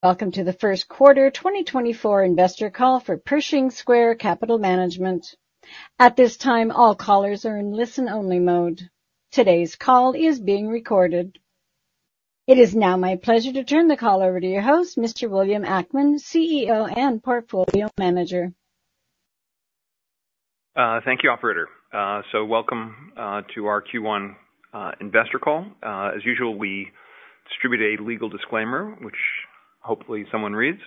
Welcome to the first quarter 2024 investor call for Pershing Square Capital Management. At this time, all callers are in listen-only mode. Today's call is being recorded. It is now my pleasure to turn the call over to your host, Mr. William Ackman, CEO and Portfolio Manager. Thank you, operator. So welcome to our Q1 investor call. As usual, we distribute a legal disclaimer, which hopefully someone reads.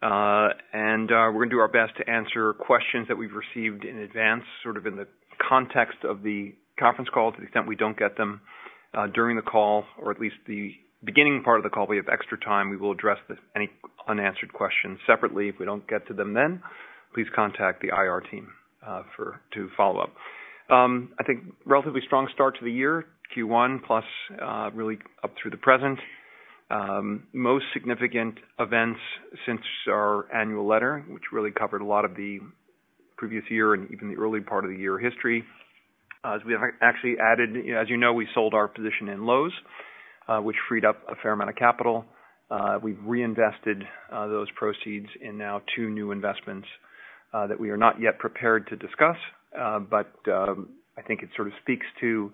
We're gonna do our best to answer questions that we've received in advance, sort of in the context of the conference call. To the extent we don't get them during the call, or at least the beginning part of the call, we have extra time, we will address any unanswered questions separately. If we don't get to them then, please contact the IR team to follow up. I think relatively strong start to the year, Q1+, really up through the present. Most significant events since our annual letter, which really covered a lot of the previous year and even the early part of the year history. As we have actually added, as you know, we sold our position in Lowe's, which freed up a fair amount of capital. We've reinvested those proceeds in now two new investments that we are not yet prepared to discuss. But I think it sort of speaks to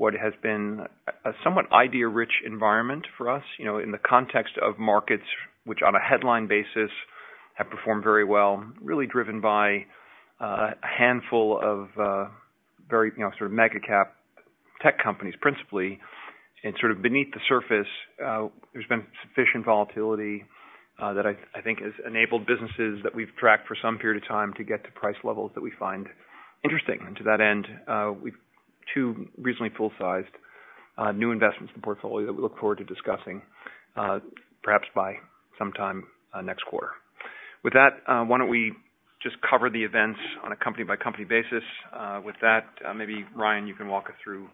what has been a somewhat idea-rich environment for us, you know, in the context of markets, which, on a headline basis, have performed very well, really driven by a handful of very, you know, sort of mega cap tech companies, principally. And sort of beneath the surface, there's been sufficient volatility that I think has enabled businesses that we've tracked for some period of time to get to price levels that we find interesting. To that end, we've two recently full-sized new investments in the portfolio that we look forward to discussing, perhaps by sometime next quarter. With that, why don't we just cover the events on a company-by-company basis? With that, maybe, Ryan, you can walk us through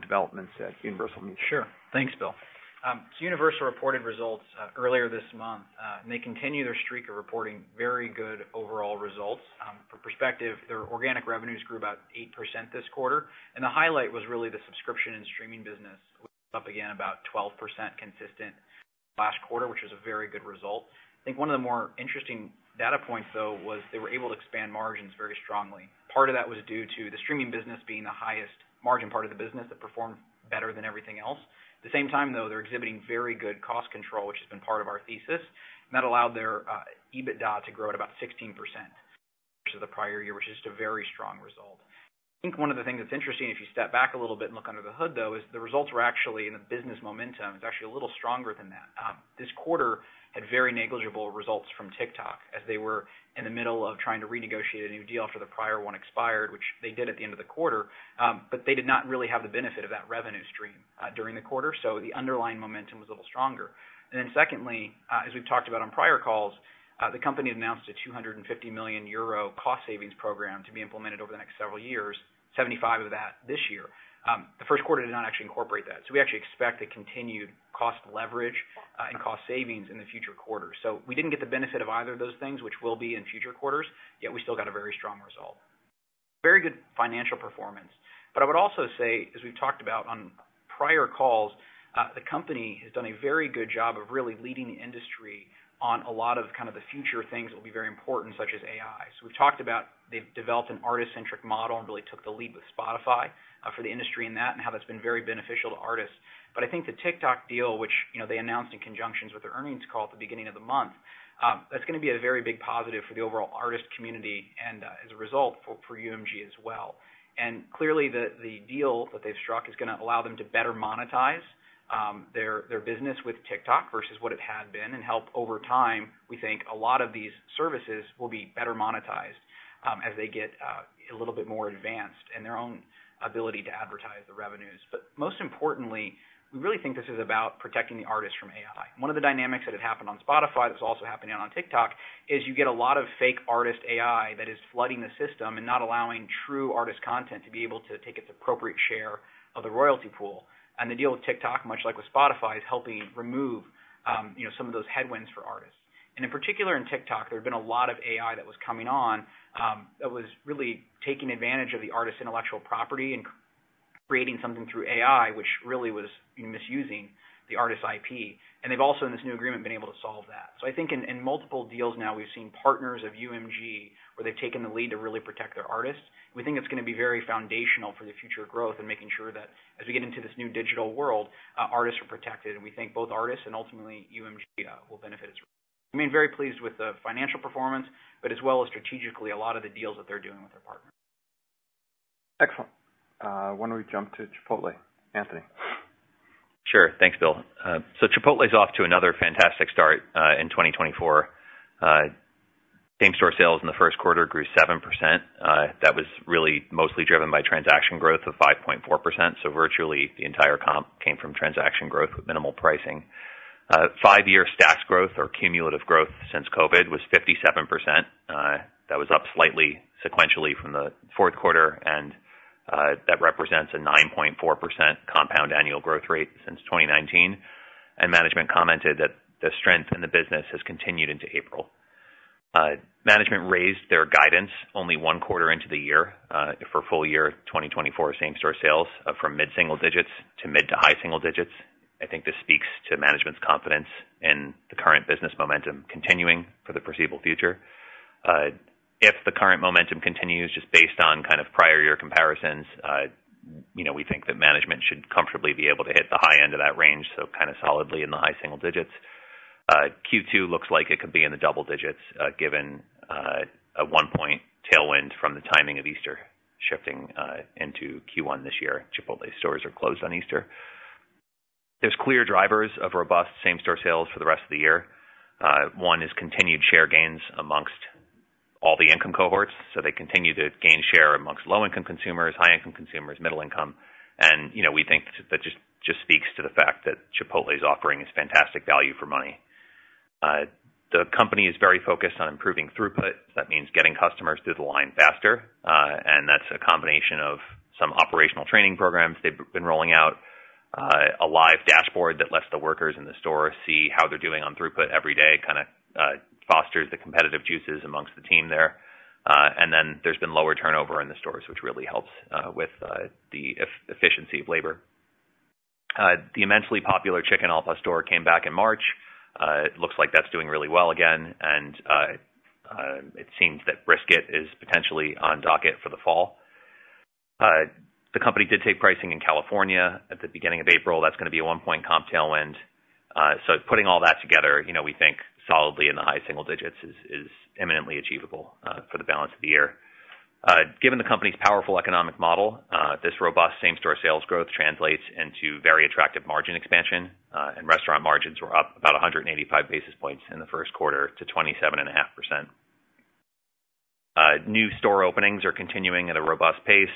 developments at Universal Music. Sure. Thanks, Bill. So Universal reported results earlier this month, and they continue their streak of reporting very good overall results. For perspective, their organic revenues grew about 8% this quarter, and the highlight was really the subscription and streaming business, which was up again about 12% consistent last quarter, which is a very good result. I think one of the more interesting data points, though, was they were able to expand margins very strongly. Part of that was due to the streaming business being the highest margin part of the business that performed better than everything else. At the same time, though, they're exhibiting very good cost control, which has been part of our thesis. That allowed their EBITDA to grow at about 16% to the prior year, which is just a very strong result. I think one of the things that's interesting, if you step back a little bit and look under the hood, though, is the results were actually in the business momentum, it's actually a little stronger than that. This quarter had very negligible results from TikTok, as they were in the middle of trying to renegotiate a new deal after the prior one expired, which they did at the end of the quarter. But they did not really have the benefit of that revenue stream during the quarter, so the underlying momentum was a little stronger. And then secondly, as we've talked about on prior calls, the company announced a 250 million euro cost savings program to be implemented over the next several years, 75 million of that this year. The first quarter did not actually incorporate that. So we actually expect a continued cost leverage, and cost savings in the future quarters. So we didn't get the benefit of either of those things, which will be in future quarters, yet we still got a very strong result. Very good financial performance. But I would also say, as we've talked about on prior calls, the company has done a very good job of really leading the industry on a lot of kind of the future things that will be very important, such as AI. So we've talked about they've developed an artist-centric model and really took the lead with Spotify, for the industry in that, and how that's been very beneficial to artists. But I think the TikTok deal, which, you know, they announced in conjunction with their earnings call at the beginning of the month, that's gonna be a very big positive for the overall artist community and, as a result, for UMG as well. And clearly, the deal that they've struck is gonna allow them to better monetize their business with TikTok versus what it had been, and help over time, we think a lot of these services will be better monetized, as they get a little bit more advanced in their own ability to advertise the revenues. But most importantly, we really think this is about protecting the artists from AI. One of the dynamics that had happened on Spotify, that's also happening on TikTok, is you get a lot of fake artist AI that is flooding the system and not allowing true artist content to be able to take its appropriate share of the royalty pool. And the deal with TikTok, much like with Spotify, is helping remove, you know, some of those headwinds for artists. And in particular, in TikTok, there had been a lot of AI that was coming on, that was really taking advantage of the artist's intellectual property and creating something through AI, which really was misusing the artist's IP. And they've also, in this new agreement, been able to solve that. So I think in multiple deals now, we've seen partners of UMG, where they've taken the lead to really protect their artists. We think it's gonna be very foundational for the future growth and making sure that as we get into this new digital world, artists are protected, and we think both artists and ultimately UMG, will benefit as well. I mean, very pleased with the financial performance, but as well as strategically, a lot of the deals that they're doing with their partners. Excellent. Why don't we jump to Chipotle? Anthony. Sure. Thanks, Bill. So Chipotle is off to another fantastic start in 2024. Same-store sales in the first quarter grew 7%. That was really mostly driven by transaction growth of 5.4%. So virtually the entire comp came from transaction growth with minimal pricing. Five-year stacks growth or cumulative growth since COVID was 57%. That was up slightly sequentially from the fourth quarter, and that represents a 9.4% compound annual growth rate since 2019. Management commented that the strength in the business has continued into April. Management raised their guidance only one quarter into the year for full year 2024 same-store sales from mid-single digits to mid-to-high single digits. I think this speaks to management's confidence in the current business momentum continuing for the foreseeable future. If the current momentum continues, just based on kind of prior year comparisons, you know, we think that management should comfortably be able to hit the high end of that range, so kind of solidly in the high single digits. Q2 looks like it could be in the double digits, given a 1-point tailwind from the timing of Easter shifting into Q1 this year. Chipotle stores are closed on Easter. There's clear drivers of robust same-store sales for the rest of the year. One is continued share gains amongst all the income cohorts, so they continue to gain share amongst low-income consumers, high-income consumers, middle income. And, you know, we think that just speaks to the fact that Chipotle's offering is fantastic value for money. The company is very focused on improving throughput. That means getting customers through the line faster. That's a combination of some operational training programs. They've been rolling out a live dashboard that lets the workers in the store see how they're doing on throughput every day, kind of fosters the competitive juices amongst the team there. Then there's been lower turnover in the stores, which really helps with the efficiency of labor. The immensely popular Chicken Al Pastor came back in March. It looks like that's doing really well again, and it seems that brisket is potentially on docket for the fall. The company did take pricing in California at the beginning of April. That's gonna be a 1-point comp tailwind. Putting all that together, you know, we think solidly in the high single digits is imminently achievable for the balance of the year. Given the company's powerful economic model, this robust same-store sales growth translates into very attractive margin expansion, and restaurant margins were up about 185 basis points in the first quarter to 27.5%. New store openings are continuing at a robust pace.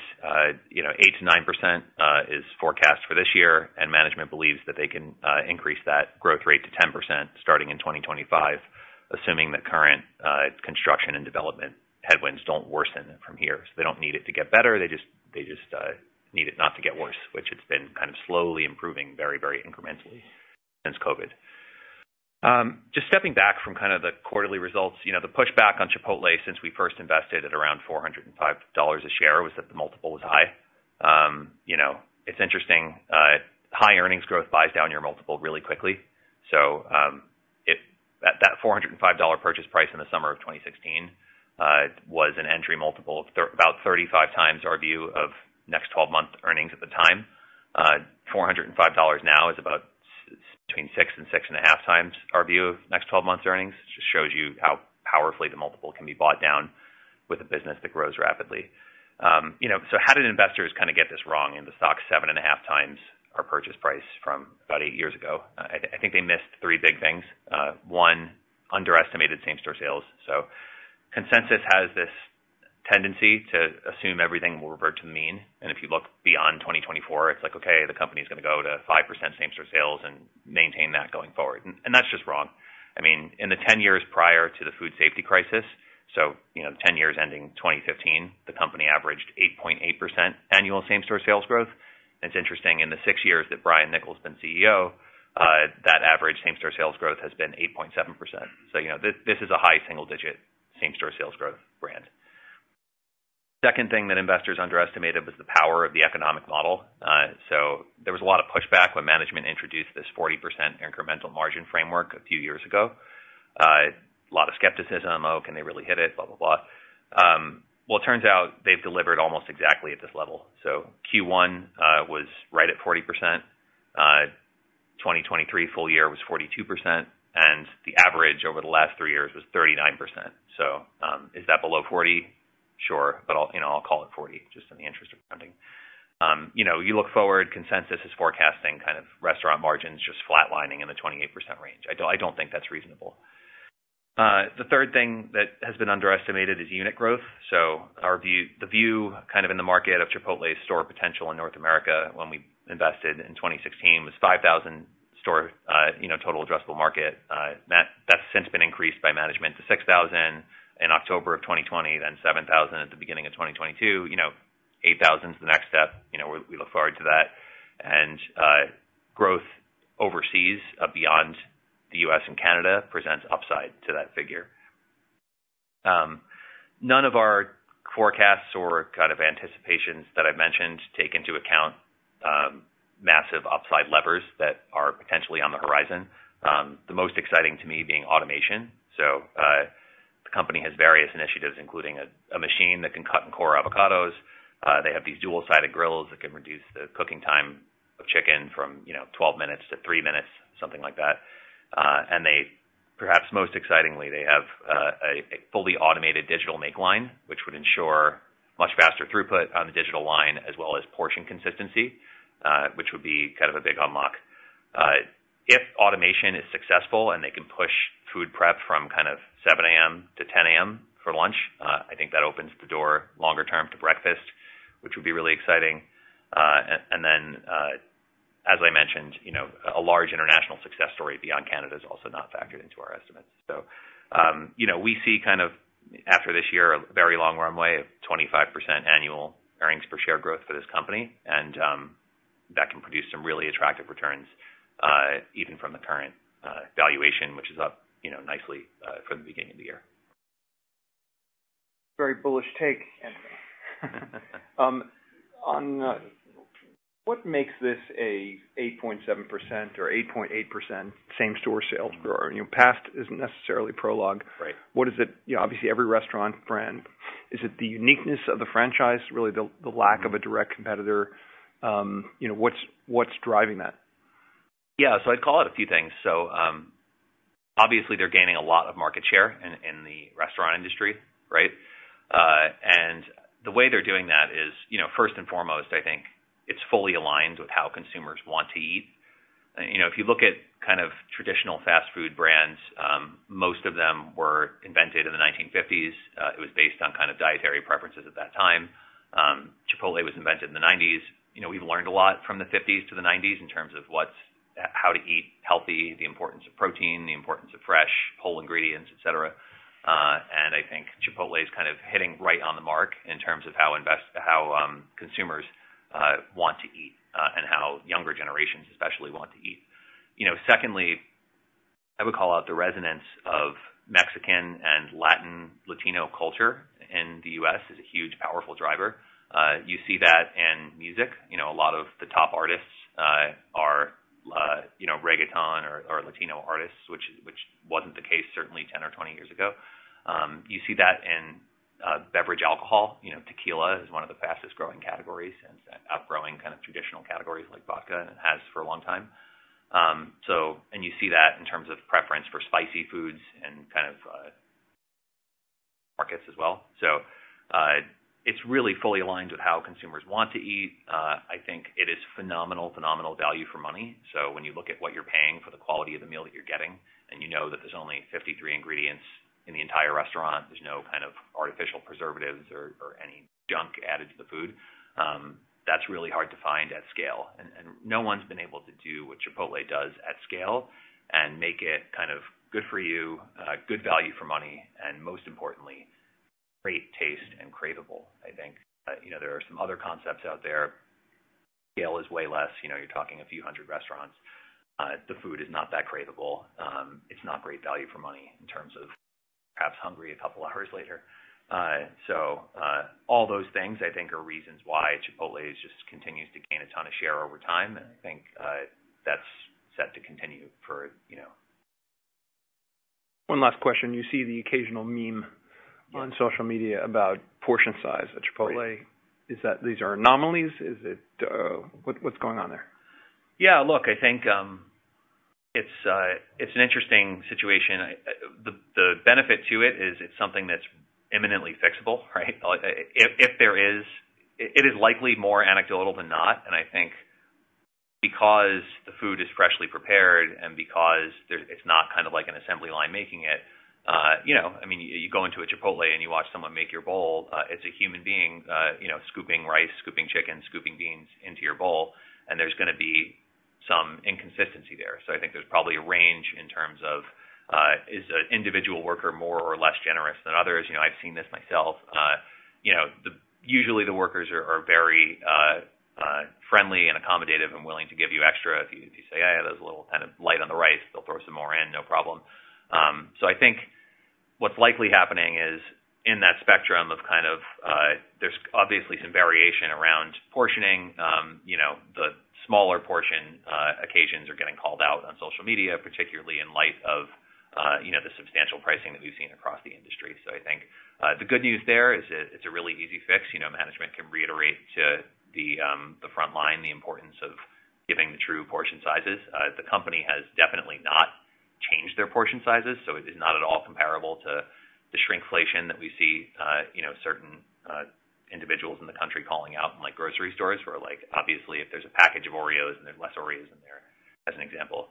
You know, 8%-9% is forecast for this year, and management believes that they can increase that growth rate to 10% starting in 2025, assuming the current construction and development headwinds don't worsen from here. So they don't need it to get better, they just, they just need it not to get worse, which it's been kind of slowly improving very, very incrementally since COVID. Just stepping back from kind of the quarterly results, you know, the pushback on Chipotle since we first invested at around $405 a share, was that the multiple was high. You know, it's interesting, high earnings growth buys down your multiple really quickly. At that $405 purchase price in the summer of 2016, was an entry multiple of about 35x our view of next 12 month earnings at the time. $405 now is about between 6x and 6.5x our view of next 12 months earnings. Just shows you how powerfully the multiple can be bought down with a business that grows rapidly. You know, so how did investors kind of get this wrong in the stock, 7.5x our purchase price from about eight years ago? I think they missed three big things. One, underestimated same-store sales. So consensus has this tendency to assume everything will revert to mean, and if you look beyond 2024, it's like, okay, the company's gonna go to 5% same-store sales and maintain that going forward, and that's just wrong. I mean, in the ten years prior to the food safety crisis, so, you know, the ten years ending 2015, the company averaged 8.8% annual same-store sales growth. It's interesting, in the six years that Brian Niccol's been CEO, that average same-store sales growth has been 8.7%. So, you know, this is a high single digit same-store sales growth brand. Second thing that investors underestimated was the power of the economic model. So there was a lot of pushback when management introduced this 40% incremental margin framework a few years ago. A lot of skepticism. Oh, can they really hit it? Blah, blah, blah. Well, it turns out they've delivered almost exactly at this level. So Q1 was right at 40%. 2023 full year was 42%, and the average over the last three years was 39%. So, is that below 40%? Sure, but I'll, you know, I'll call it 40%, just in the interest of rounding. You know, you look forward, consensus is forecasting kind of restaurant margins just flatlining in the 28% range. I don't think that's reasonable. The third thing that has been underestimated is unit growth. So our view, the view kind of in the market of Chipotle's store potential in North America when we invested in 2016, was 5,000 store, you know, total addressable market. That, that's since been increased by management to 6,000 in October of 2020, then 7,000 at the beginning of 2022. You know, 8,000 is the next step. You know, we look forward to that. And growth overseas, beyond the U.S. and Canada, presents upside to that figure. None of our forecasts or kind of anticipations that I've mentioned take into account massive upside levers that are potentially on the horizon. The most exciting to me being automation. So, the company has various initiatives, including a machine that can cut and core avocados. They have these dual-sided grills that can reduce the cooking time of chicken from, you know, 12 minutes to 3 minutes, something like that. And they perhaps most excitingly have a fully automated digital make line, which would ensure much faster throughput on the digital line, as well as portion consistency, which would be kind of a big unlock. If automation is successful and they can push food prep from kind of 7:00 AM. to 10:00 AM. for lunch, I think that opens the door longer term to breakfast, which would be really exciting. And then, as I mentioned, you know, a large international success story beyond Canada is also not factored into our estimates. So, you know, we see kind of... after this year, a very long runway of 25% annual earnings per share growth for this company, and that can produce some really attractive returns, even from the current valuation, which is up, you know, nicely, from the beginning of the year. Very bullish take. On what makes this an 8.7% or 8.8% same-store sales growth? You know, past isn't necessarily prologue. Right. What is it? You know, obviously, every restaurant brand. Is it the uniqueness of the franchise, really the lack of a direct competitor? You know, what's driving that? Yeah, so I'd call it a few things. So, obviously, they're gaining a lot of market share in the restaurant industry, right? And the way they're doing that is, you know, first and foremost, I think it's fully aligned with how consumers want to eat. You know, if you look at kind of traditional fast food brands, most of them were invented in the 1950s. It was based on kind of dietary preferences at that time. Chipotle was invented in the 1990s. You know, we've learned a lot from the 1950s to the 1990s in terms of what's how to eat healthy, the importance of protein, the importance of fresh, whole ingredients, et cetera. And I think Chipotle is kind of hitting right on the mark in terms of how consumers want to eat, and how younger generations especially want to eat. You know, secondly, I would call out the resonance of Mexican and Latin, Latino culture in the U.S. is a huge, powerful driver. You see that in music. You know, a lot of the top artists are, you know, reggaeton or Latino artists, which wasn't the case certainly 10 or 20 years ago. So and you see that in beverage alcohol. You know, tequila is one of the fastest growing categories and it's outgrowing kind of traditional categories like vodka, and has for a long time. So and you see that in terms of preference for spicy foods and kind of markets as well. So, it's really fully aligned with how consumers want to eat. I think it is phenomenal, phenomenal value for money. So when you look at what you're paying for the quality of the meal that you're getting, and you know that there's only 53 ingredients in the entire restaurant, there's no kind of artificial preservatives or any junk added to the food, that's really hard to find at scale. And no one's been able to do what Chipotle does at scale and make it kind of good for you, good value for money, and most importantly, great taste and craveable, I think. You know, there are some other concepts out there. Scale is way less. You know, you're talking a few hundred restaurants. The food is not that craveable. It's not great value for money in terms of perhaps hungry a couple hours later. So, all those things, I think, are reasons why Chipotle just continues to gain a ton of share over time, and I think, that's set to continue for, you know. One last question. You see the occasional meme- Yeah... on social media about portion size at Chipotle. Is that these are anomalies? Is it, what, what's going on there? Yeah, look, I think it's an interesting situation. The benefit to it is it's something that's imminently fixable, right? If there is, it is likely more anecdotal than not, and I think because the food is freshly prepared and because there's, it's not kind of like an assembly line making it, you know, I mean, you go into a Chipotle and you watch someone make your bowl, it's a human being, you know, scooping rice, scooping chicken, scooping beans into your bowl, and there's gonna be some inconsistency there. So I think there's probably a range in terms of is an individual worker more or less generous than others? You know, I've seen this myself. You know, usually the workers are very friendly and accommodative and willing to give you extra. If you say, "Hey, there's a little kind of light on the rice," they'll throw some more in, no problem. So I think what's likely happening is, in that spectrum of kind of, there's obviously some variation around portioning. You know, the smaller portion occasions are getting called out on social media, particularly in light of, you know, the substantial pricing that we've seen across the industry. So I think the good news there is that it's a really easy fix. You know, management can reiterate to the front line the importance of giving the true portion sizes. The company has definitely not changed their portion sizes, so it is not at all comparable to the shrinkflation that we see, you know, certain individuals in the country calling out in, like, grocery stores, where like, obviously, if there's a package of Oreos and there's less Oreos in there, as an example,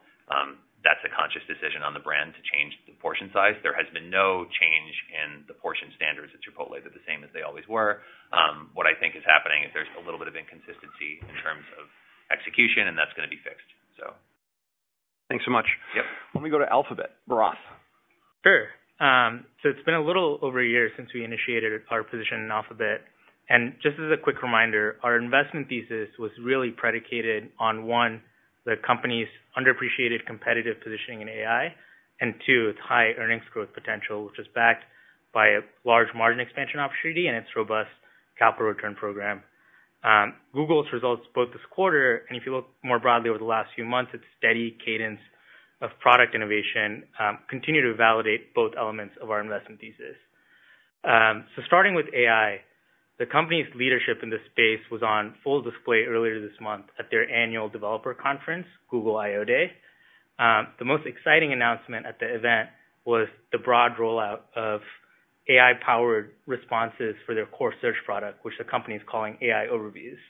that's a conscious decision on the brand to change the portion size. There has been no change in the portion standards at Chipotle. They're the same as they always were. What I think is happening is there's a little bit of inconsistency in terms of execution, and that's gonna be fixed, so. Thanks so much. Yep. Let me go to Alphabet, Bharath. Sure. So it's been a little over a year since we initiated our position in Alphabet. And just as a quick reminder, our investment thesis was really predicated on, one, the company's underappreciated competitive positioning in AI, and two, its high earnings growth potential, which is backed by a large margin expansion opportunity and its robust capital return program. Google's results both this quarter, and if you look more broadly over the last few months, its steady cadence of product innovation continue to validate both elements of our investment thesis. So starting with AI, the company's leadership in this space was on full display earlier this month at their annual developer conference, Google I/O Day. The most exciting announcement at the event was the broad rollout of AI-powered responses for their core search product, which the company is calling AI Overviews.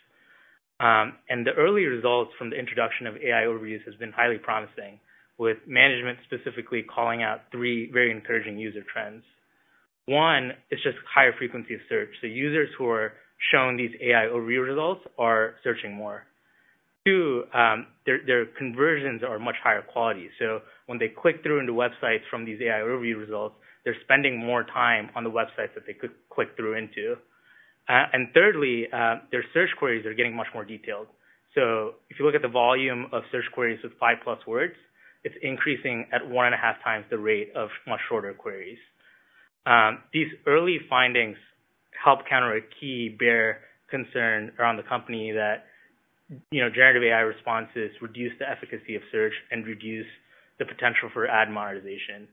And the early results from the introduction of AI Overviews has been highly promising, with management specifically calling out three very encouraging user trends. One is just higher frequency of search. So users who are shown these AI Overviews results are searching more.... Two, their, their conversions are much higher quality. So when they click through into websites from these AI Overviews results, they're spending more time on the websites that they could click through into. And thirdly, their search queries are getting much more detailed. So if you look at the volume of search queries with 5+ words, it's increasing at 1.5 times the rate of much shorter queries. These early findings help counter a key bear concern around the company that, you know, generative AI responses reduce the efficacy of search and reduce the potential for ad monetization.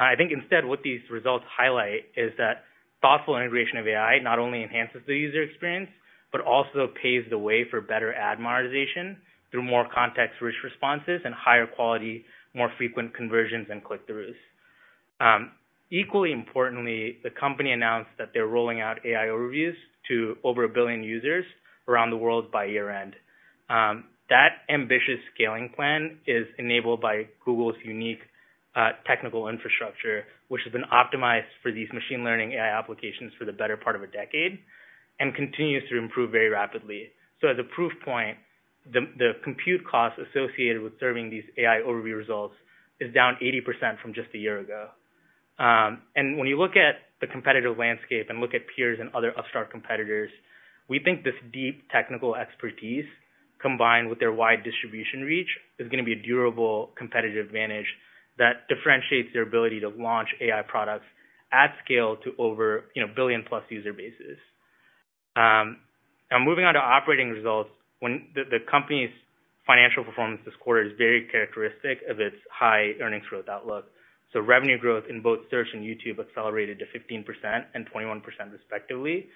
I think instead, what these results highlight is that thoughtful integration of AI not only enhances the user experience, but also paves the way for better ad monetization through more context-rich responses and higher quality, more frequent conversions and click-throughs. Equally importantly, the company announced that they're rolling out AI Overviews to over a billion users around the world by year-end. That ambitious scaling plan is enabled by Google's unique, technical infrastructure, which has been optimized for these machine learning AI applications for the better part of a decade and continues to improve very rapidly. So as a proof point, the compute costs associated with serving these AI Overview results is down 80% from just a year ago. And when you look at the competitive landscape and look at peers and other upstart competitors, we think this deep technical expertise, combined with their wide distribution reach, is gonna be a durable competitive advantage that differentiates their ability to launch AI products at scale to over, you know, billion-plus user bases. Now moving on to operating results. When the company's financial performance this quarter is very characteristic of its high earnings growth outlook. So revenue growth in both Search and YouTube accelerated to 15% and 21% respectively,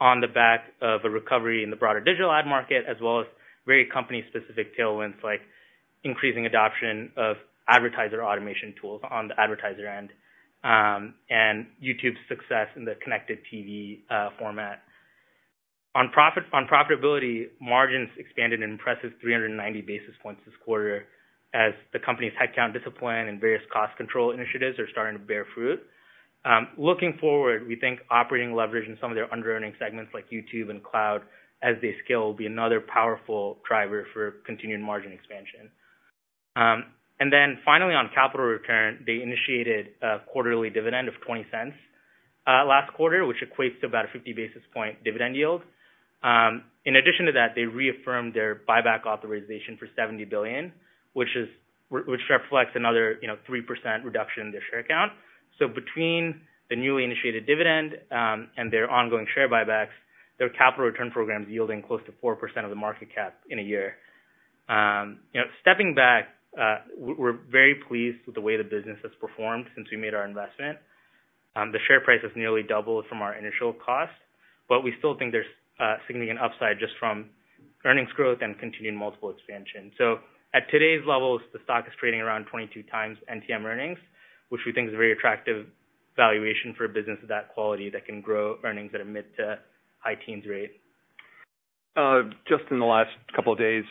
on the back of a recovery in the broader digital ad market, as well as very company-specific tailwinds, like increasing adoption of advertiser automation tools on the advertiser end, and YouTube's success in the connected TV format. On profitability, margins expanded an impressive 390 basis points this quarter as the company's headcount discipline and various cost control initiatives are starting to bear fruit. Looking forward, we think operating leverage in some of their underearning segments, like YouTube and Cloud, as they scale, will be another powerful driver for continued margin expansion. And then finally, on capital return, they initiated a quarterly dividend of $0.20 last quarter, which equates to about a 50 basis point dividend yield. In addition to that, they reaffirmed their buyback authorization for $70 billion, which reflects another, you know, 3% reduction in their share count. So between the newly initiated dividend and their ongoing share buybacks, their capital return program is yielding close to 4% of the market cap in a year. You know, stepping back, we're very pleased with the way the business has performed since we made our investment. The share price has nearly doubled from our initial cost, but we still think there's significant upside just from earnings growth and continued multiple expansion. So at today's levels, the stock is trading around 22 times NTM earnings, which we think is a very attractive valuation for a business of that quality, that can grow earnings at a mid- to high-teens rate. Just in the last couple of days,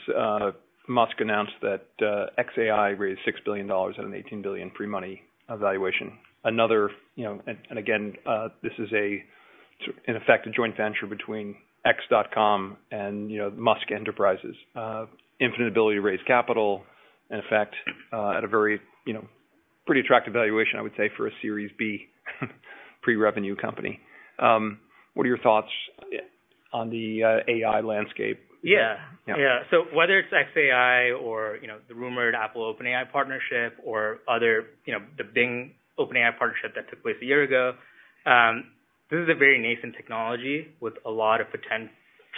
Musk announced that xAI raised $6 billion at an $18 billion pre-money valuation. Another, you know... And again, this is a, in effect, a joint venture between x.com and, you know, Musk Enterprises. Infinite ability to raise capital, in effect, at a very, you know, pretty attractive valuation, I would say, for a Series B pre-revenue company. What are your thoughts on the AI landscape? Yeah. Yeah. Yeah. So whether it's xAI or, you know, the rumored Apple OpenAI partnership or other, you know, the Bing OpenAI partnership that took place a year ago, this is a very nascent technology with a lot of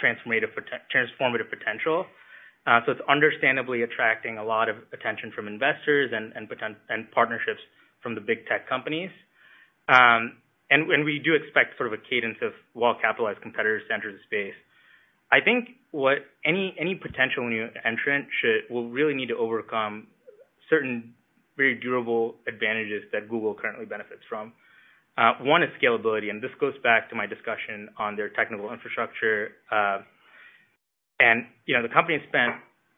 transformative potential. So it's understandably attracting a lot of attention from investors and partnerships from the big tech companies. And we do expect sort of a cadence of well-capitalized competitors to enter the space. I think what any potential new entrant will really need to overcome certain very durable advantages that Google currently benefits from. One is scalability, and this goes back to my discussion on their technical infrastructure. And, you know, the company spent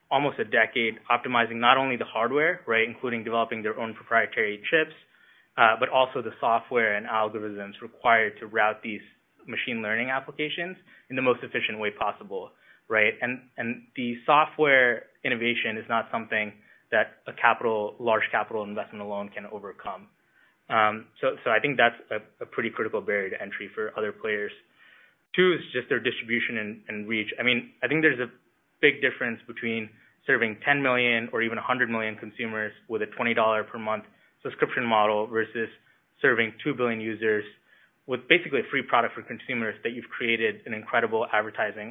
almost a decade optimizing not only the hardware, right, including developing their own proprietary chips, but also the software and algorithms required to route these machine learning applications in the most efficient way possible, right? And the software innovation is not something that a large capital investment alone can overcome. So I think that's a pretty critical barrier to entry for other players. Two is just their distribution and reach. I mean, I think there's a big difference between serving 10 million or even 100 million consumers with a $20 per month subscription model, versus serving 2 billion users with basically a free product for consumers, that you've created an incredible advertising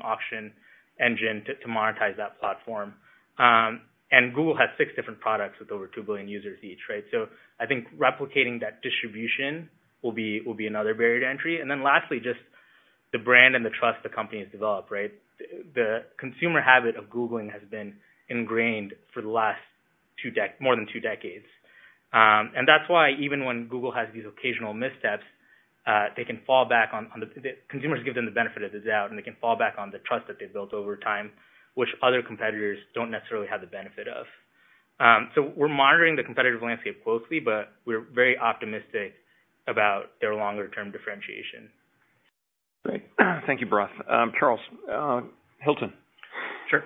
auction engine to monetize that platform. And Google has six different products with over 2 billion users each, right? So I think replicating that distribution will be another barrier to entry. And then lastly, just the brand and the trust the company has developed, right? The consumer habit of Googling has been ingrained for the last more than two decades. And that's why even when Google has these occasional missteps, they can fall back on, on the... The consumers give them the benefit of the doubt, and they can fall back on the trust that they've built over time, which other competitors don't necessarily have the benefit of. So we're monitoring the competitive landscape closely, but we're very optimistic about their longer term differentiation. Thank you, Bharath. Charles, Hilton. Sure.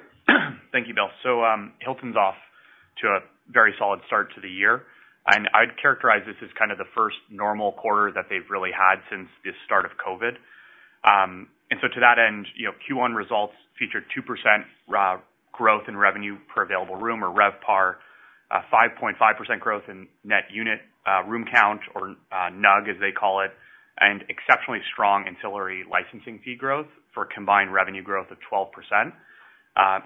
Thank you, Bill. So, Hilton's off to a very solid start to the year, and I'd characterize this as kind of the first normal quarter that they've really had since the start of COVID. And so to that end, you know, Q1 results featured 2% growth in revenue per available room or RevPAR, 5.5% growth in net unit room count or NUG, as they call it, and exceptionally strong ancillary licensing fee growth for a combined revenue growth of 12%.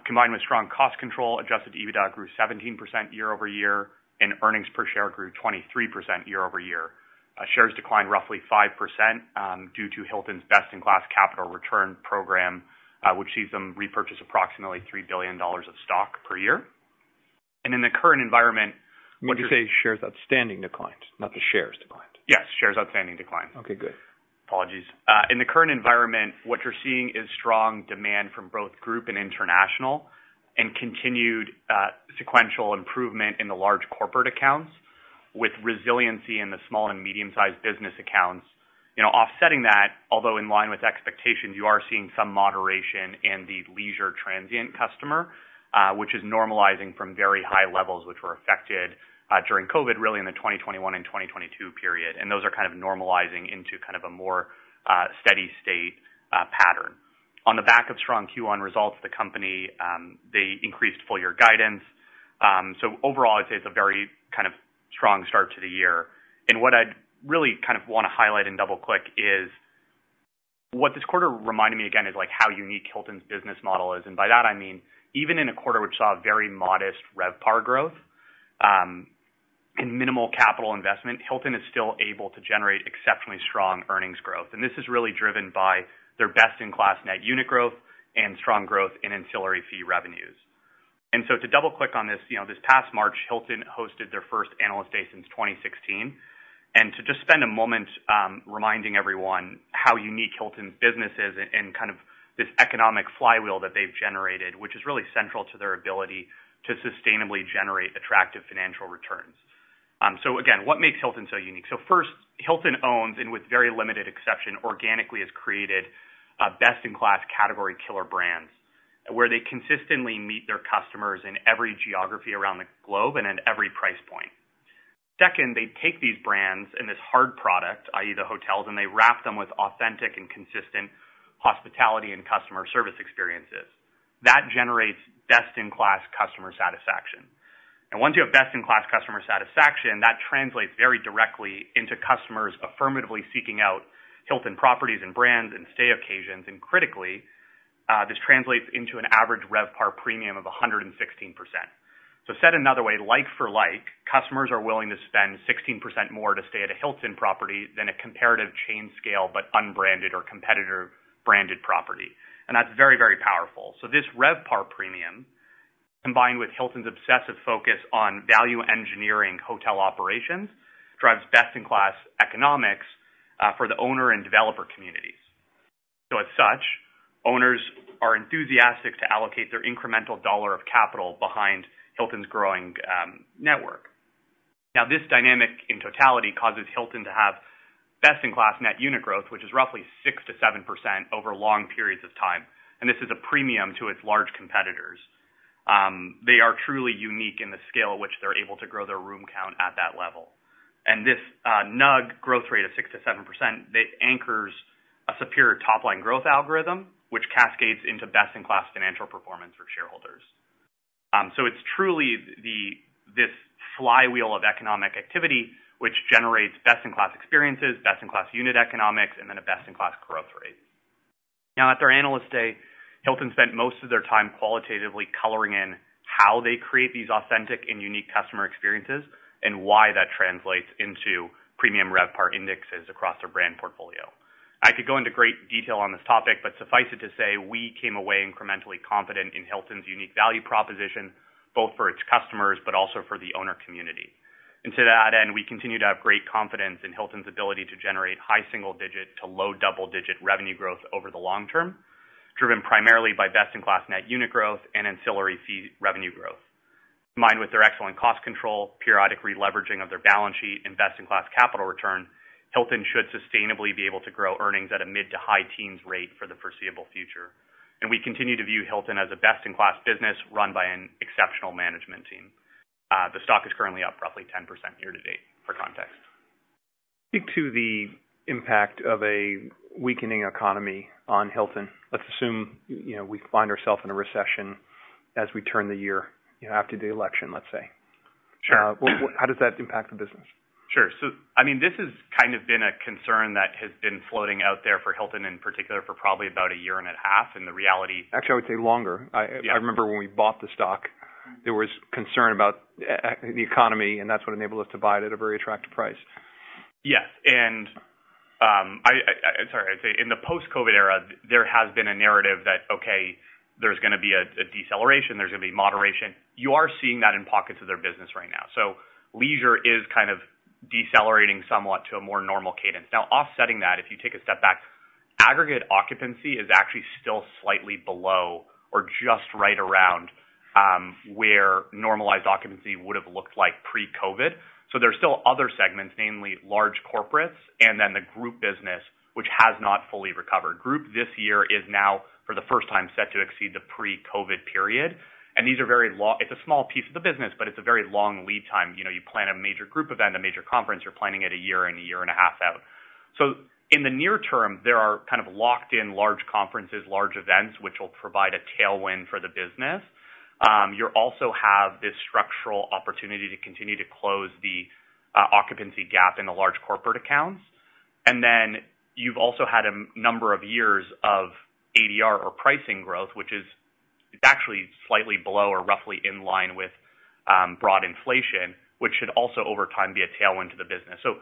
Combined with strong cost control, Adjusted EBITDA grew 17% year-over-year, and earnings per share grew 23% year-over-year. Shares declined roughly 5%, due to Hilton's best-in-class capital return program, which sees them repurchase approximately $3 billion of stock per year. In the current environment, what you're- When you say shares outstanding declined, not the shares declined? Yes, shares outstanding declined. Okay, good. Apologies. In the current environment, what you're seeing is strong demand from both group and international, and continued sequential improvement in the large corporate accounts, with resiliency in the small and medium-sized business accounts. You know, offsetting that, although in line with expectations, you are seeing some moderation in the leisure transient customer, which is normalizing from very high levels, which were affected during COVID, really in the 2021 and 2022 period. And those are kind of normalizing into kind of a more steady state pattern. On the back of strong Q1 results, the company they increased full-year guidance. So overall, I'd say it's a very kind of strong start to the year. And what I'd really kind of wanna highlight in double click is, what this quarter reminded me again, is like how unique Hilton's business model is. And by that, I mean, even in a quarter which saw very modest RevPAR growth and minimal capital investment, Hilton is still able to generate exceptionally strong earnings growth. And this is really driven by their best-in-class net unit growth and strong growth in ancillary fee revenues. And so to double-click on this, you know, this past March, Hilton hosted their first Analyst Day since 2016. And to just spend a moment reminding everyone how unique Hilton's business is and kind of this economic flywheel that they've generated, which is really central to their ability to sustainably generate attractive financial returns. So again, what makes Hilton so unique? So first, Hilton owns, and with very limited exception, organically has created best-in-class category killer brands, where they consistently meet their customers in every geography around the globe and in every price point. Second, they take these brands and this hard product, i.e., the hotels, and they wrap them with authentic and consistent hospitality and customer service experiences. That generates best-in-class customer satisfaction. And once you have best-in-class customer satisfaction, that translates very directly into customers affirmatively seeking out Hilton properties and brands and stay occasions. And critically, this translates into an average RevPAR premium of 116%. So said another way, like for like, customers are willing to spend 16% more to stay at a Hilton property than a comparative chain scale, but unbranded or competitor-branded property. And that's very, very powerful. So this RevPAR premium, combined with Hilton's obsessive focus on value engineering hotel operations, drives best-in-class economics for the owner and developer communities. So as such, owners are enthusiastic to allocate their incremental dollar of capital behind Hilton's growing network. Now, this dynamic, in totality, causes Hilton to have best-in-class net unit growth, which is roughly 6%-7% over long periods of time, and this is a premium to its large competitors. They are truly unique in the scale at which they're able to grow their room count at that level. And this NUG growth rate of 6%-7%, it anchors a superior top-line growth algorithm, which cascades into best-in-class financial performance for shareholders. It's truly this flywheel of economic activity, which generates best-in-class experiences, best-in-class unit economics, and then a best-in-class growth rate. Now, at their Analyst Day, Hilton spent most of their time qualitatively coloring in how they create these authentic and unique customer experiences, and why that translates into premium RevPAR indexes across their brand portfolio. I could go into great detail on this topic, but suffice it to say, we came away incrementally confident in Hilton's unique value proposition, both for its customers but also for the owner community. And to that end, we continue to have great confidence in Hilton's ability to generate high single digit to low double-digit revenue growth over the long term, driven primarily by best-in-class net unit growth and ancillary fee revenue growth. Combined with their excellent cost control, periodic re-leveraging of their balance sheet, and best-in-class capital return, Hilton should sustainably be able to grow earnings at a mid to high teens rate for the foreseeable future. And we continue to view Hilton as a best-in-class business run by an exceptional management team. The stock is currently up roughly 10% year to date, for context. Speak to the impact of a weakening economy on Hilton. Let's assume, you know, we find ourselves in a recession as we turn the year, you know, after the election, let's say. Sure. How does that impact the business? Sure. So, I mean, this has kind of been a concern that has been floating out there for Hilton, in particular, for probably about a year and a half. And the reality- Actually, I would say longer. Yeah. I remember when we bought the stock, there was concern about the economy, and that's what enabled us to buy it at a very attractive price. Yes, and, I'd say in the post-COVID era, there has been a narrative that, okay, there's gonna be a deceleration, there's gonna be moderation. You are seeing that in pockets of their business right now. So leisure is kind of decelerating somewhat to a more normal cadence. Now, offsetting that, if you take a step back, aggregate occupancy is actually still slightly below or just right around where normalized occupancy would have looked like pre-COVID. So there's still other segments, namely large corporates and then the group business, which has not fully recovered. Group this year is now, for the first time, set to exceed the pre-COVID period. And these are very long. It's a small piece of the business, but it's a very long lead time. You know, you plan a major group event, a major conference, you're planning it a year and a year and a half out. So in the near term, there are kind of locked in large conferences, large events, which will provide a tailwind for the business. You also have this structural opportunity to continue to close the occupancy gap in the large corporate accounts. And then you've also had a number of years of ADR or pricing growth, which is - it's actually slightly below or roughly in line with broad inflation, which should also over time be a tailwind to the business. So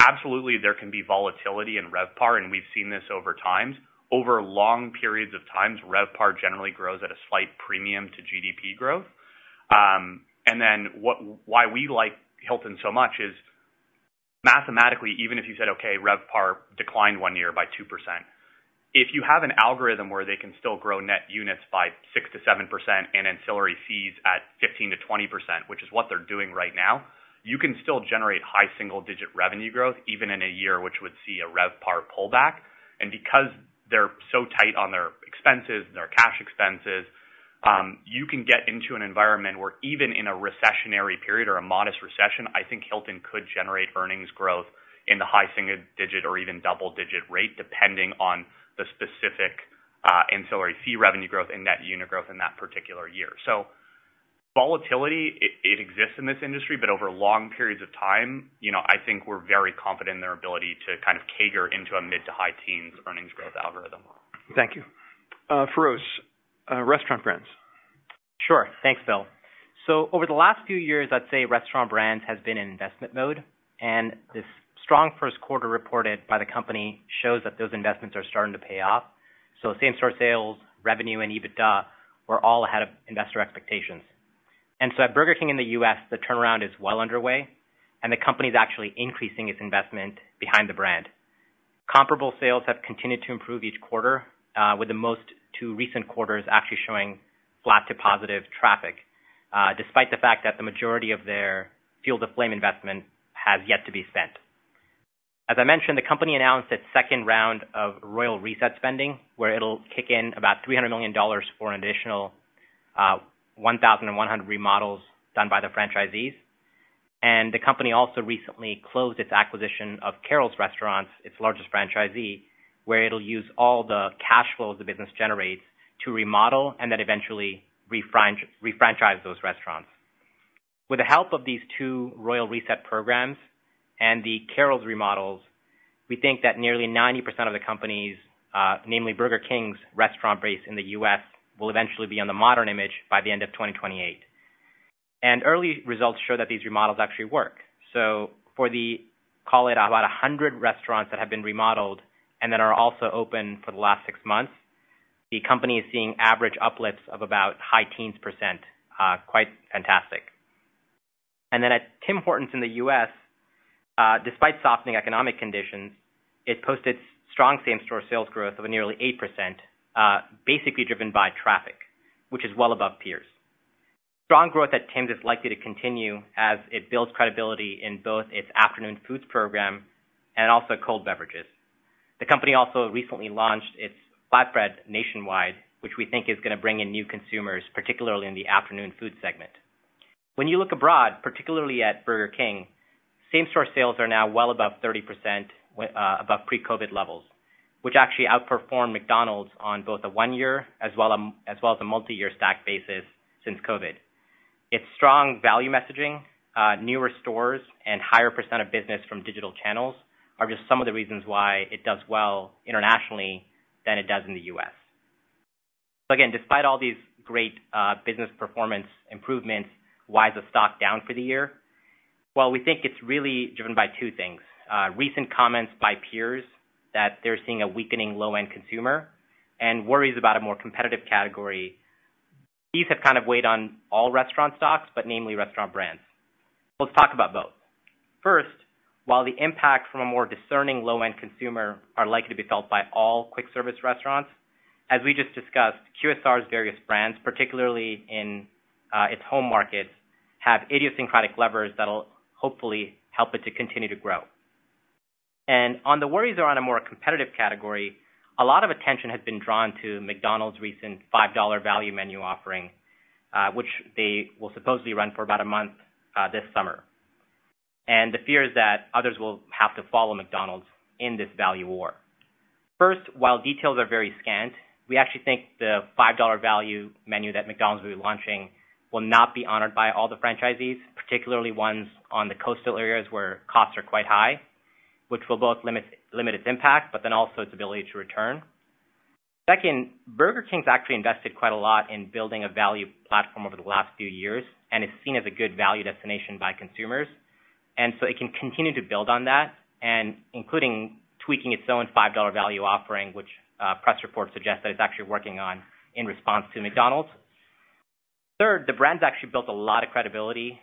absolutely, there can be volatility in RevPAR, and we've seen this over time. Over long periods of time, RevPAR generally grows at a slight premium to GDP growth. And then why we like Hilton so much is mathematically, even if you said, "Okay, RevPAR declined 1 year by 2%," if you have an algorithm where they can still grow net units by 6%-7% and ancillary fees at 15%-20%, which is what they're doing right now, you can still generate high single-digit revenue growth even in a year, which would see a RevPAR pullback. And because they're so tight on their expenses, their cash expenses, you can get into an environment where even in a recessionary period or a modest recession, I think Hilton could generate earnings growth in the high single-digit or even double-digit rate, depending on the specific, ancillary fee revenue growth and net unit growth in that particular year. So volatility, it exists in this industry, but over long periods of time, you know, I think we're very confident in their ability to kind of cater into a mid to high teens earnings growth algorithm. Thank you. Feroze, Restaurant Brands. Sure. Thanks, Bill. So over the last few years, I'd say Restaurant Brands has been in investment mode, and this strong first quarter reported by the company shows that those investments are starting to pay off. So same-store sales, revenue and EBITDA were all ahead of investor expectations. And so at Burger King in the U.S., the turnaround is well underway, and the company is actually increasing its investment behind the brand. Comparable sales have continued to improve each quarter, with the most two recent quarters actually showing flat to positive traffic, despite the fact that the majority of their Fuel the Flame investment has yet to be spent. As I mentioned, the company announced its second round of Royal Reset spending, where it'll kick in about $300 million for an additional 1,100 remodels done by the franchisees. The company also recently closed its acquisition of Carrols Restaurant Group, its largest franchisee, where it'll use all the cash flow the business generates to remodel and then eventually refranchise those restaurants. With the help of these two Royal Reset programs and the Carrols remodels, we think that nearly 90% of the company's, namely Burger King's restaurant base in the U.S., will eventually be on the modern image by the end of 2028. Early results show that these remodels actually work. For the, call it about 100 restaurants that have been remodeled and that are also open for the last six months, the company is seeing average uplifts of about high teens percent, quite fantastic. And then at Tim Hortons in the U.S., despite softening economic conditions, it posted strong same-store sales growth of nearly 8%, basically driven by traffic, which is well above peers. Strong growth at Tim's is likely to continue as it builds credibility in both its afternoon foods program and also cold beverages. The company also recently launched its flatbread nationwide, which we think is gonna bring in new consumers, particularly in the afternoon food segment. When you look abroad, particularly at Burger King, same-store sales are now well above 30%, above pre-COVID levels, which actually outperform McDonald's on both a one-year as well as a multi-year stack basis since COVID. Its strong value messaging, newer stores and higher percent of business from digital channels are just some of the reasons why it does well internationally than it does in the U.S. Again, despite all these great, business performance improvements, why is the stock down for the year? Well, we think it's really driven by two things: recent comments by peers that they're seeing a weakening low-end consumer and worries about a more competitive category. These have kind of weighed on all restaurant stocks, but namely Restaurant Brands. Let's talk about both. First, while the impact from a more discerning low-end consumer are likely to be felt by all quick-service restaurants, as we just discussed, QSR's various brands, particularly in, its home markets, have idiosyncratic levers that'll hopefully help it to continue to grow. The worries are on a more competitive category. A lot of attention has been drawn to McDonald's recent $5 value menu offering, which they will supposedly run for about a month, this summer. The fear is that others will have to follow McDonald's in this value war. First, while details are very scant, we actually think the $5 value menu that McDonald's will be launching will not be honored by all the franchisees, particularly ones on the coastal areas where costs are quite high, which will both limit its impact, but then also its ability to return. Second, Burger King has actually invested quite a lot in building a value platform over the last few years, and it's seen as a good value destination by consumers, and so it can continue to build on that, and including tweaking its own $5 value offering, which, press reports suggest that it's actually working on in response to McDonald's. Third, the brand's actually built a lot of credibility,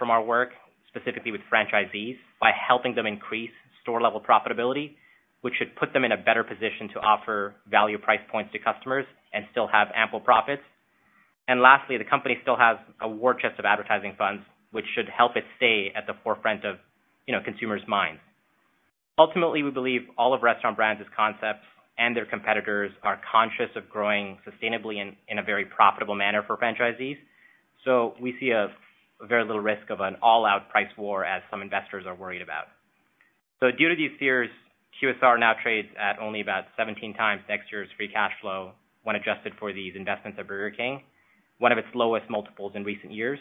from our work, specifically with franchisees by helping them increase store-level profitability, which should put them in a better position to offer value price points to customers and still have ample profits. And lastly, the company still has a war chest of advertising funds, which should help it stay at the forefront of, you know, consumers' minds. Ultimately, we believe all of Restaurant Brands' concepts and their competitors are conscious of growing sustainably in a very profitable manner for franchisees. So we see a very little risk of an all-out price war, as some investors are worried about. So due to these fears, QSR now trades at only about 17 times next year's free cash flow when adjusted for these investments at Burger King, one of its lowest multiples in recent years.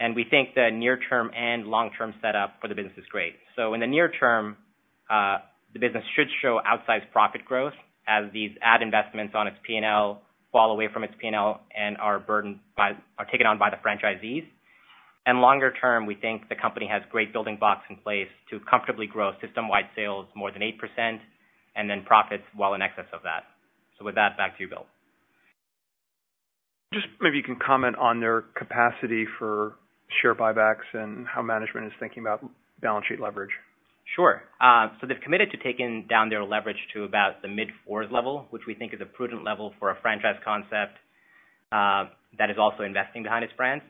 And we think the near-term and long-term setup for the business is great. So in the near term, the business should show outsized profit growth as these ad investments on its P&L fall away from its P&L and are taken on by the franchisees. And longer term, we think the company has great building blocks in place to comfortably grow system-wide sales more than 8% and then profits well in excess of that. So with that, back to you, Bill. Just maybe you can comment on their capacity for share buybacks and how management is thinking about balance sheet leverage? Sure. So they've committed to taking down their leverage to about the mid-four level, which we think is a prudent level for a franchise concept that is also investing behind its brands.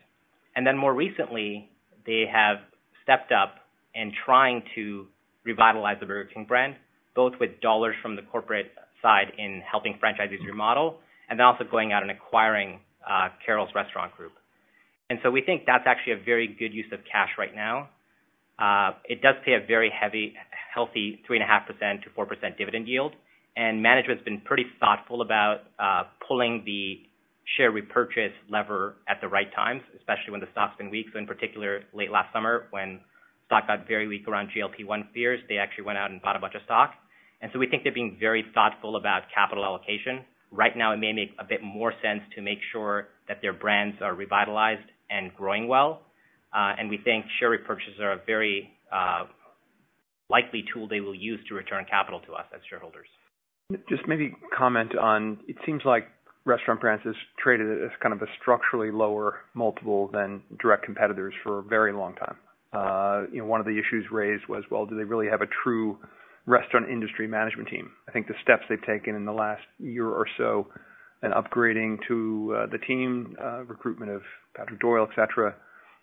And then more recently, they have stepped up in trying to revitalize the Burger King brand, both with dollars from the corporate side in helping franchisees remodel and then also going out and acquiring Carrols Restaurant Group. And so we think that's actually a very good use of cash right now. It does pay a very heavy, healthy 3.5%-4% dividend yield, and management's been pretty thoughtful about pulling the share repurchase lever at the right times, especially when the stock's been weak. So in particular, late last summer, when stock got very weak around GLP-1 fears, they actually went out and bought a bunch of stock. And so we think they're being very thoughtful about capital allocation. Right now, it may make a bit more sense to make sure that their brands are revitalized and growing well, and we think share repurchases are a very likely tool they will use to return capital to us as shareholders. Just maybe comment on it. It seems like Restaurant Brands is traded as kind of a structurally lower multiple than direct competitors for a very long time. You know, one of the issues raised was, well, do they really have a true restaurant industry management team? I think the steps they've taken in the last year or so and upgrading to the team, recruitment of Patrick Doyle, et cetera.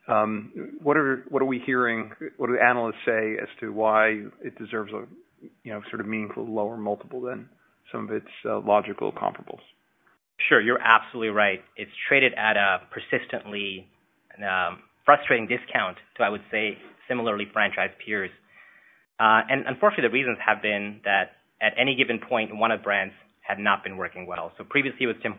What are we hearing? What do analysts say as to why it deserves a, you know, sort of meaningful lower multiple than some of its logical comparables? Sure, you're absolutely right. It's traded at a persistently frustrating discount to, I would say, similarly franchised peers. And unfortunately, the reasons have been that at any given point, one of the brands had not been working well. So previously, it was Tim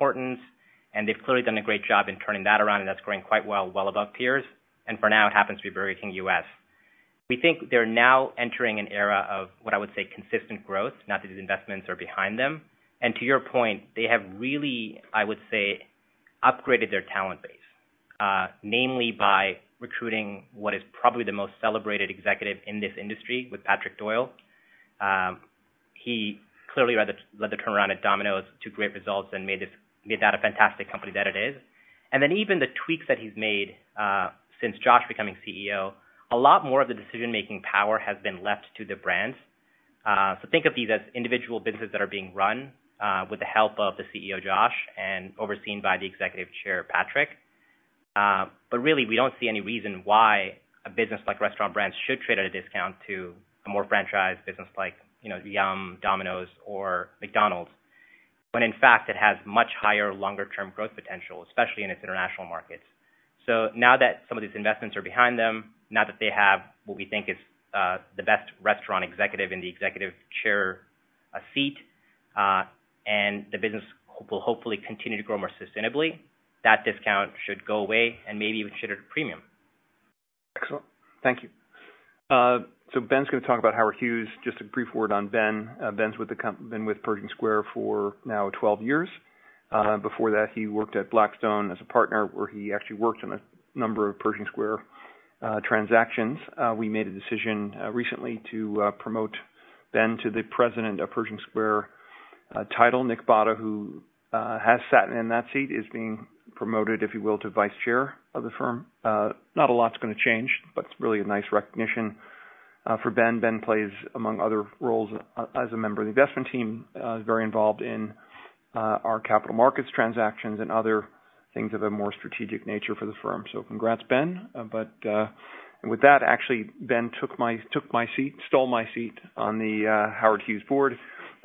Hortons, and they've clearly done a great job in turning that around, and that's growing quite well, well above peers. And for now, it happens to be Burger King U.S. We think they're now entering an era of what I would say, consistent growth, now that these investments are behind them. And to your point, they have really, I would say, upgraded their talent base, mainly by recruiting what is probably the most celebrated executive in this industry with Patrick Doyle. He clearly led the turnaround at Domino's to great results and made that a fantastic company that it is. And then even the tweaks that he's made since Josh becoming CEO, a lot more of the decision-making power has been left to the brands. So think of these as individual businesses that are being run with the help of the CEO, Josh, and overseen by the Executive Chairman, Patrick. But really, we don't see any reason why a business like Restaurant Brands should trade at a discount to a more franchised business like, you know, Yum, Domino's or McDonald's, when in fact, it has much higher, longer-term growth potential, especially in its international markets. So now that some of these investments are behind them, now that they have what we think is the best restaurant executive in the executive chair, seat, and the business will hopefully continue to grow more sustainably, that discount should go away and maybe even trade at a premium. Excellent. Thank you. So Ben's gonna talk about Howard Hughes. Just a brief word on Ben. Ben's been with Pershing Square for now 12 years. Before that, he worked at Blackstone as a partner, where he actually worked on a number of Pershing Square transactions. We made a decision recently to promote Ben to the president of Pershing Square title. Nick Botta, who has sat in that seat, is being promoted, if you will, to vice chair of the firm. Not a lot's gonna change, but it's really a nice recognition for Ben. Ben plays, among other roles, as a member of the investment team, very involved in our capital markets transactions and other things of a more strategic nature for the firm. So congrats, Ben. And with that, actually, Ben took my seat, stole my seat on the Howard Hughes board. You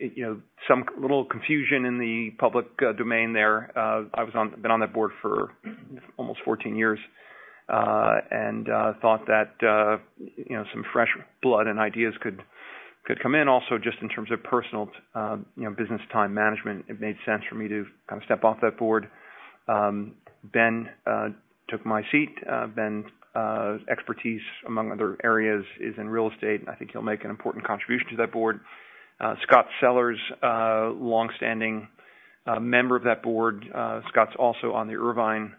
know, some little confusion in the public domain there. I've been on that board for almost 14 years, and thought that, you know, some fresh blood and ideas could come in. Also, just in terms of personal, you know, business time management, it made sense for me to kind of step off that board. Ben took my seat. Ben's expertise, among other areas, is in real estate, and I think he'll make an important contribution to that board. Scott Sellers, long-standing member of that board. Scott's also on the Irvine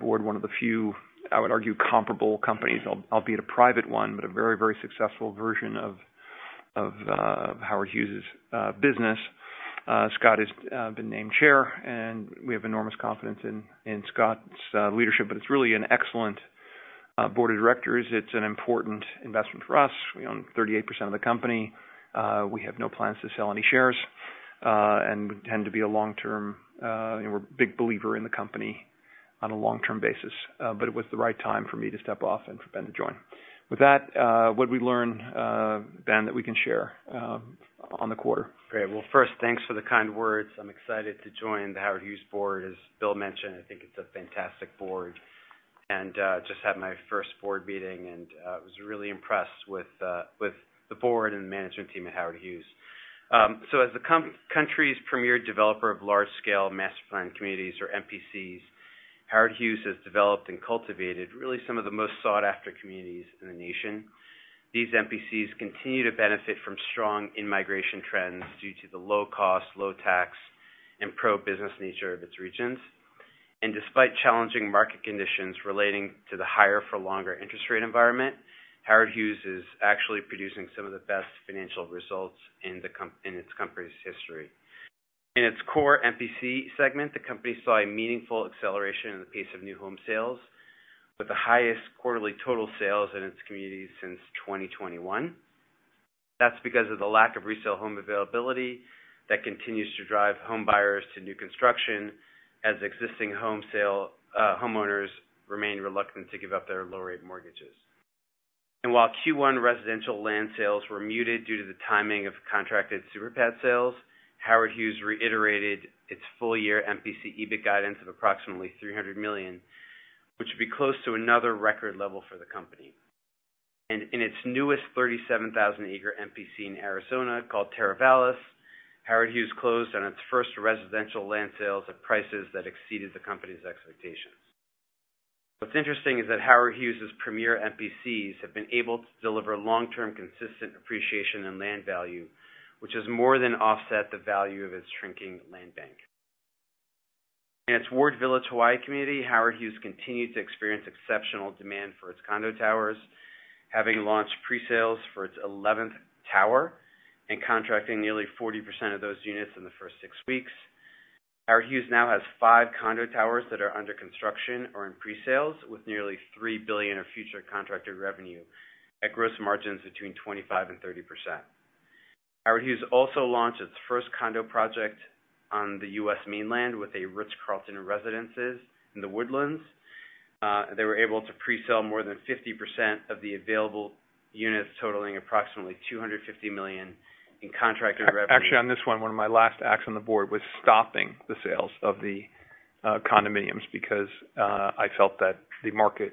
board, one of the few, I would argue, comparable companies, albeit a private one, but a very, very successful version of Howard Hughes's business. Scott has been named chair, and we have enormous confidence in Scott's leadership. But it's really an excellent board of directors. It's an important investment for us. We own 38% of the company. We have no plans to sell any shares, and we tend to be a long-term... we're a big believer in the company on a long-term basis. But it was the right time for me to step off and for Ben to join. With that, what'd we learn, Ben, that we can share on the quarter? Great. Well, first, thanks for the kind words. I'm excited to join the Howard Hughes board. As Bill mentioned, I think it's a fantastic board, and just had my first board meeting, and was really impressed with the board and management team at Howard Hughes. So as the country's premier developer of large-scale master planned communities, or MPCs, Howard Hughes has developed and cultivated really some of the most sought-after communities in the nation. These MPCs continue to benefit from strong in-migration trends due to the low cost, low tax, and pro-business nature of its regions. Despite challenging market conditions relating to the higher for longer interest rate environment, Howard Hughes is actually producing some of the best financial results in the company's history. In its core MPC segment, the company saw a meaningful acceleration in the pace of new home sales, with the highest quarterly total sales in its communities since 2021. That's because of the lack of resale home availability that continues to drive home buyers to new construction, as existing home sale homeowners remain reluctant to give up their low-rate mortgages. And while Q1 residential land sales were muted due to the timing of contracted Super Pad sales, Howard Hughes reiterated its full-year MPC EBIT guidance of approximately $300 million, which would be close to another record level for the company. And in its newest 37,000-acre MPC in Arizona, called Teravalis, Howard Hughes closed on its first residential land sales at prices that exceeded the company's expectations. What's interesting is that Howard Hughes's premier MPCs have been able to deliver long-term, consistent appreciation and land value, which has more than offset the value of its shrinking land bank. In its Ward Village, Hawaii community, Howard Hughes continued to experience exceptional demand for its condo towers, having launched pre-sales for its eleventh tower and contracting nearly 40% of those units in the first six weeks. Howard Hughes now has five condo towers that are under construction or in pre-sales with nearly $3 billion of future contracted revenue at gross margins between 25% and 30%. Howard Hughes also launched its first condo project on the U.S. mainland with a Ritz-Carlton Residences, The Woodlands. They were able to pre-sell more than 50% of the available units, totaling approximately $250 million in contracted revenue- Actually, on this one, one of my last acts on the board was stopping the sales of the condominiums because I felt that the market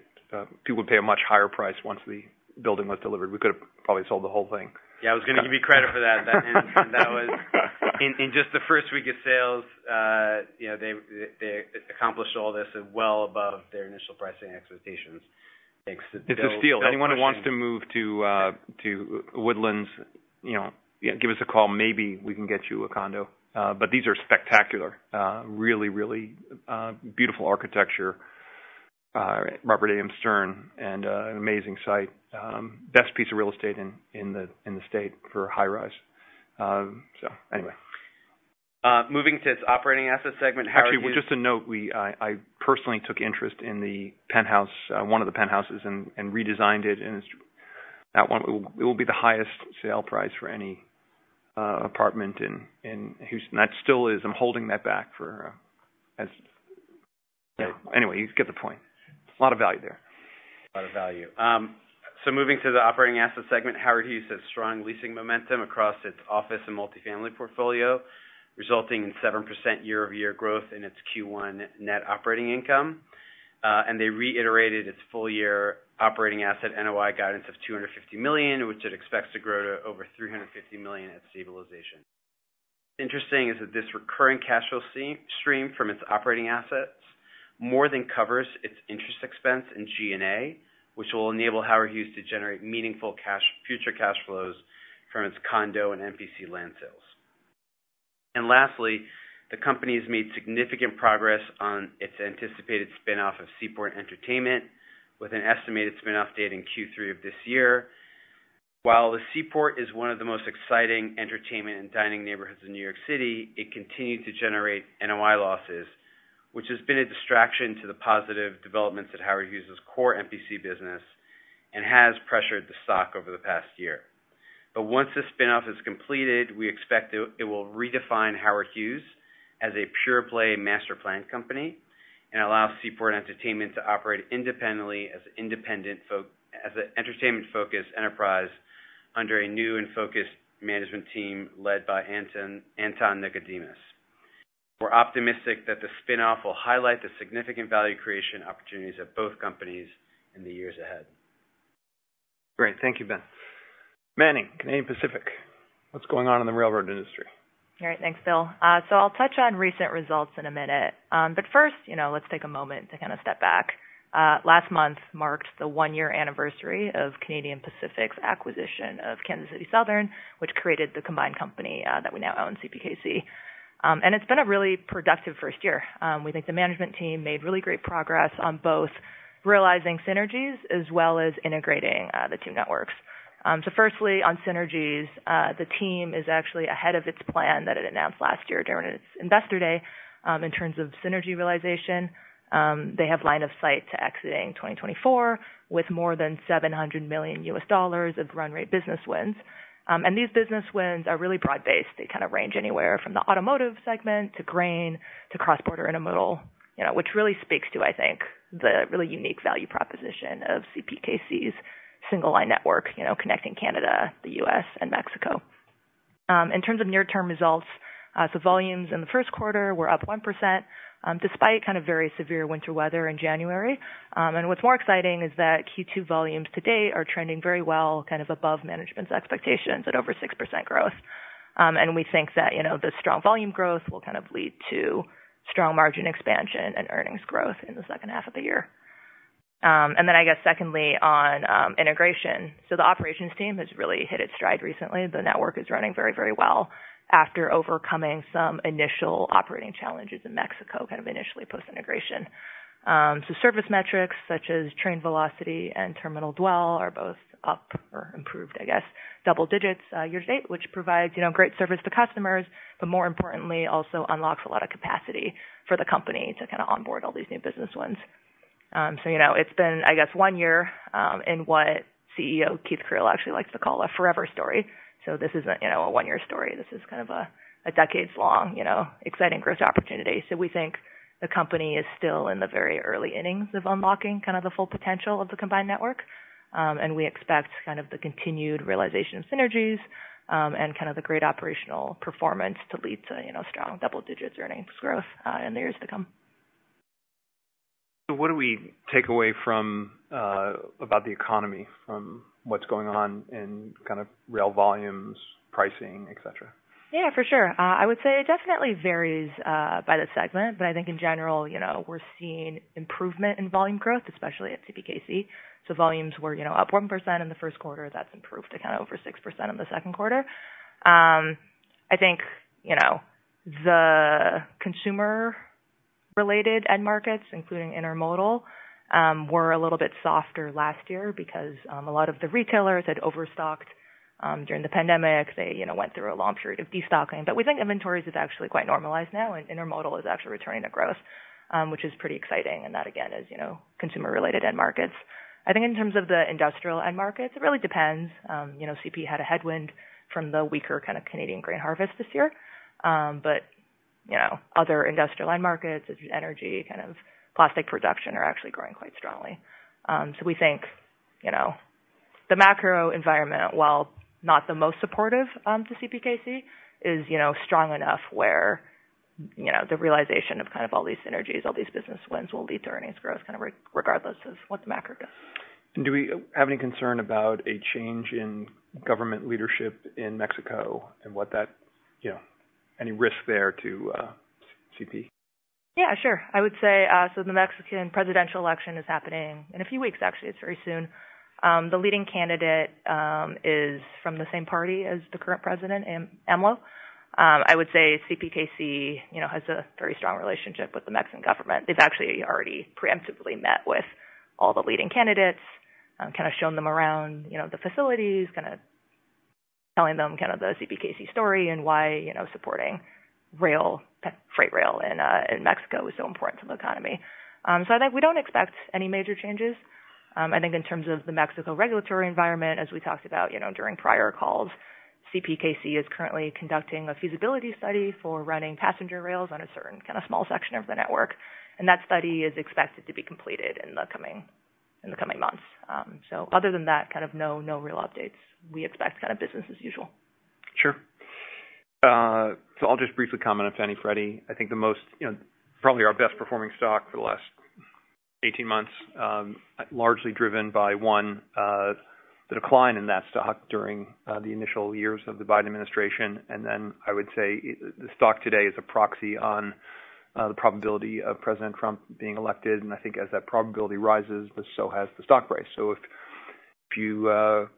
people would pay a much higher price once the building was delivered. We could have probably sold the whole thing. Yeah, I was gonna give you credit for that. That, and that was... in, in just the first week of sales, you know, they, they accomplished all this well above their initial pricing expectations. Thanks to Bill- It's a steal. Anyone who wants to move to Woodlands, you know, yeah, give us a call. Maybe we can get you a condo. But these are spectacular. Really, really, beautiful architecture, Robert A.M. Stern, and an amazing site. Best piece of real estate in the state for a high rise. So anyway. Moving to its operating asset segment- Actually, just to note, we, I personally took interest in the penthouse, one of the penthouses, and, and redesigned it, and it's that one, it will be the highest sale price for any apartment in Houston. That still is. I'm holding that back for, as... Anyway, you get the point. A lot of value there. A lot of value. So moving to the operating asset segment, Howard Hughes has strong leasing momentum across its office and multifamily portfolio, resulting in 7% year-over-year growth in its Q1 net operating income. And they reiterated its full-year operating asset NOI guidance of $250 million, which it expects to grow to over $350 million at stabilization. Interesting is that this recurring cash flow stream from its operating assets more than covers its interest expense in G&A, which will enable Howard Hughes to generate meaningful cash, future cash flows from its condo and MPC land sales. And lastly, the company has made significant progress on its anticipated spin-off of Seaport Entertainment, with an estimated spin-off date in Q3 of this year. While the Seaport is one of the most exciting entertainment and dining neighborhoods in New York City, it continued to generate NOI losses, which has been a distraction to the positive developments at Howard Hughes's core MPC business and has pressured the stock over the past year. But once this spin-off is completed, we expect it will redefine Howard Hughes as a pure play master planned company and allow Seaport Entertainment to operate independently as an entertainment-focused enterprise under a new and focused management team led by Anton Nikodemus. We're optimistic that the spin-off will highlight the significant value creation opportunities of both companies in the years ahead. Great. Thank you, Ben. Manning, Canadian Pacific, what's going on in the railroad industry? All right, thanks, Bill. So I'll touch on recent results in a minute. But first, you know, let's take a moment to kind of step back. Last month marked the one-year anniversary of Canadian Pacific's acquisition of Kansas City Southern, which created the combined company, that we now own, CPKC. And it's been a really productive first year. We think the management team made really great progress on both realizing synergies as well as integrating, the two networks. So firstly, on synergies, the team is actually ahead of its plan that it announced last year during its investor day. In terms of synergy realization, they have line of sight to exiting 2024, with more than $700 million of run rate business wins. And these business wins are really broad-based. They kind of range anywhere from the automotive segment to grain to cross-border intermodal, you know, which really speaks to, I think, the really unique value proposition of CPKC's single line network, you know, connecting Canada, the U.S., and Mexico. In terms of near-term results, so volumes in the first quarter were up 1%, despite kind of very severe winter weather in January. And what's more exciting is that Q2 volumes to date are trending very well, kind of above management's expectations at over 6% growth. And we think that, you know, the strong volume growth will kind of lead to strong margin expansion and earnings growth in the second half of the year. And then I guess secondly, on integration. So the operations team has really hit its stride recently. The network is running very, very well after overcoming some initial operating challenges in Mexico, kind of initially post-integration. So service metrics such as train velocity and terminal dwell are both up or improved, I guess, double digits, year to date, which provides, you know, great service to customers, but more importantly, also unlocks a lot of capacity for the company to kind of onboard all these new business ones. So, you know, it's been, I guess, one year, in what CEO Keith Creel actually likes to call a forever story. So this isn't, you know, a one-year story. This is kind of a, a decades-long, you know, exciting growth opportunity. So we think the company is still in the very early innings of unlocking kind of the full potential of the combined network. We expect kind of the continued realization of synergies and kind of the great operational performance to lead to, you know, strong double-digit earnings growth in the years to come. So what do we take away from about the economy, from what's going on in kind of rail volumes, pricing, et cetera? Yeah, for sure. I would say it definitely varies by the segment, but I think in general, you know, we're seeing improvement in volume growth, especially at CPKC. So volumes were, you know, up 1% in the first quarter. That's improved to kind of over 6% in the second quarter. I think, you know, the consumer-related end markets, including intermodal, were a little bit softer last year because a lot of the retailers had overstocked during the pandemic. They, you know, went through a long period of destocking. But we think inventories is actually quite normalized now, and intermodal is actually returning to growth, which is pretty exciting, and that, again, is, you know, consumer-related end markets. I think in terms of the industrial end markets, it really depends. You know, CP had a headwind from the weaker kind of Canadian grain harvest this year. But, you know, other industrial end markets, such as energy, kind of plastic production, are actually growing quite strongly. So we think, you know, the macro environment, while not the most supportive, to CPKC, is you know, strong enough where, you know, the realization of kind of all these synergies, all these business wins, will lead to earnings growth, kind of regardless of what the macro does. Do we have any concern about a change in government leadership in Mexico and what that... you know, any risk there to CP? Yeah, sure. I would say, so the Mexican presidential election is happening in a few weeks, actually. It's very soon. The leading candidate is from the same party as the current president, AMLO. I would say CPKC, you know, has a very strong relationship with the Mexican government. They've actually already preemptively met with all the leading candidates, kind of shown them around, you know, the facilities, kind of telling them kind of the CPKC story and why, you know, supporting rail, freight rail in, in Mexico is so important to the economy. So I think we don't expect any major changes. I think in terms of the Mexico regulatory environment, as we talked about, you know, during prior calls, CPKC is currently conducting a feasibility study for running passenger rails on a certain kind of small section of the network, and that study is expected to be completed in the coming months. So other than that, kind of no real updates. We expect kind of business as usual. Sure. So I'll just briefly comment on Fannie / Freddie. I think the most, you know, probably our best performing stock for the last 18 months, largely driven by one, the decline in that stock during the initial years of the Biden administration. And then I would say the stock today is a proxy on the probability of President Trump being elected, and I think as that probability rises, but so has the stock price. So if you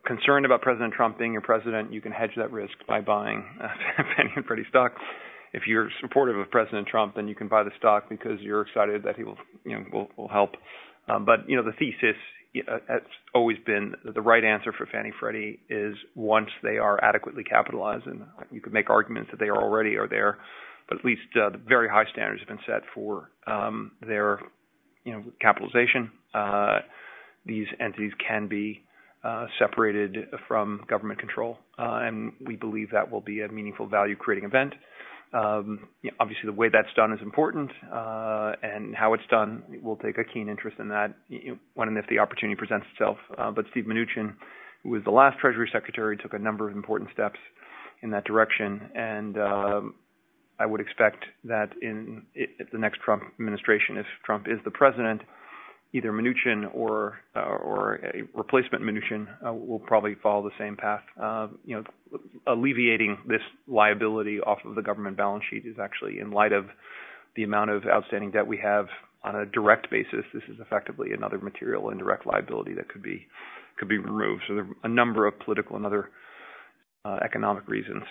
concerned about President Trump being your president, you can hedge that risk by buying Fannie and Freddie stock. If you're supportive of President Trump, then you can buy the stock because you're excited that he will, you know, will, will help. But you know, the thesis has always been the right answer for Fannie Mae and Freddie Mac is once they are adequately capitalized, and you could make arguments that they are already there, but at least the very high standards have been set for their, you know, capitalization. These entities can be separated from government control, and we believe that will be a meaningful value-creating event. Obviously, the way that's done is important, and how it's done, we'll take a keen interest in that, you know, when and if the opportunity presents itself. But Steve Mnuchin, who was the last treasury secretary, took a number of important steps in that direction, and I would expect that in if the next Trump administration, if Trump is the president, either Mnuchin or a replacement Mnuchin will probably follow the same path. You know, alleviating this liability off of the government balance sheet is actually in light of the amount of outstanding debt we have on a direct basis. This is effectively another material, indirect liability that could be removed. So there are a number of political and other economic reasons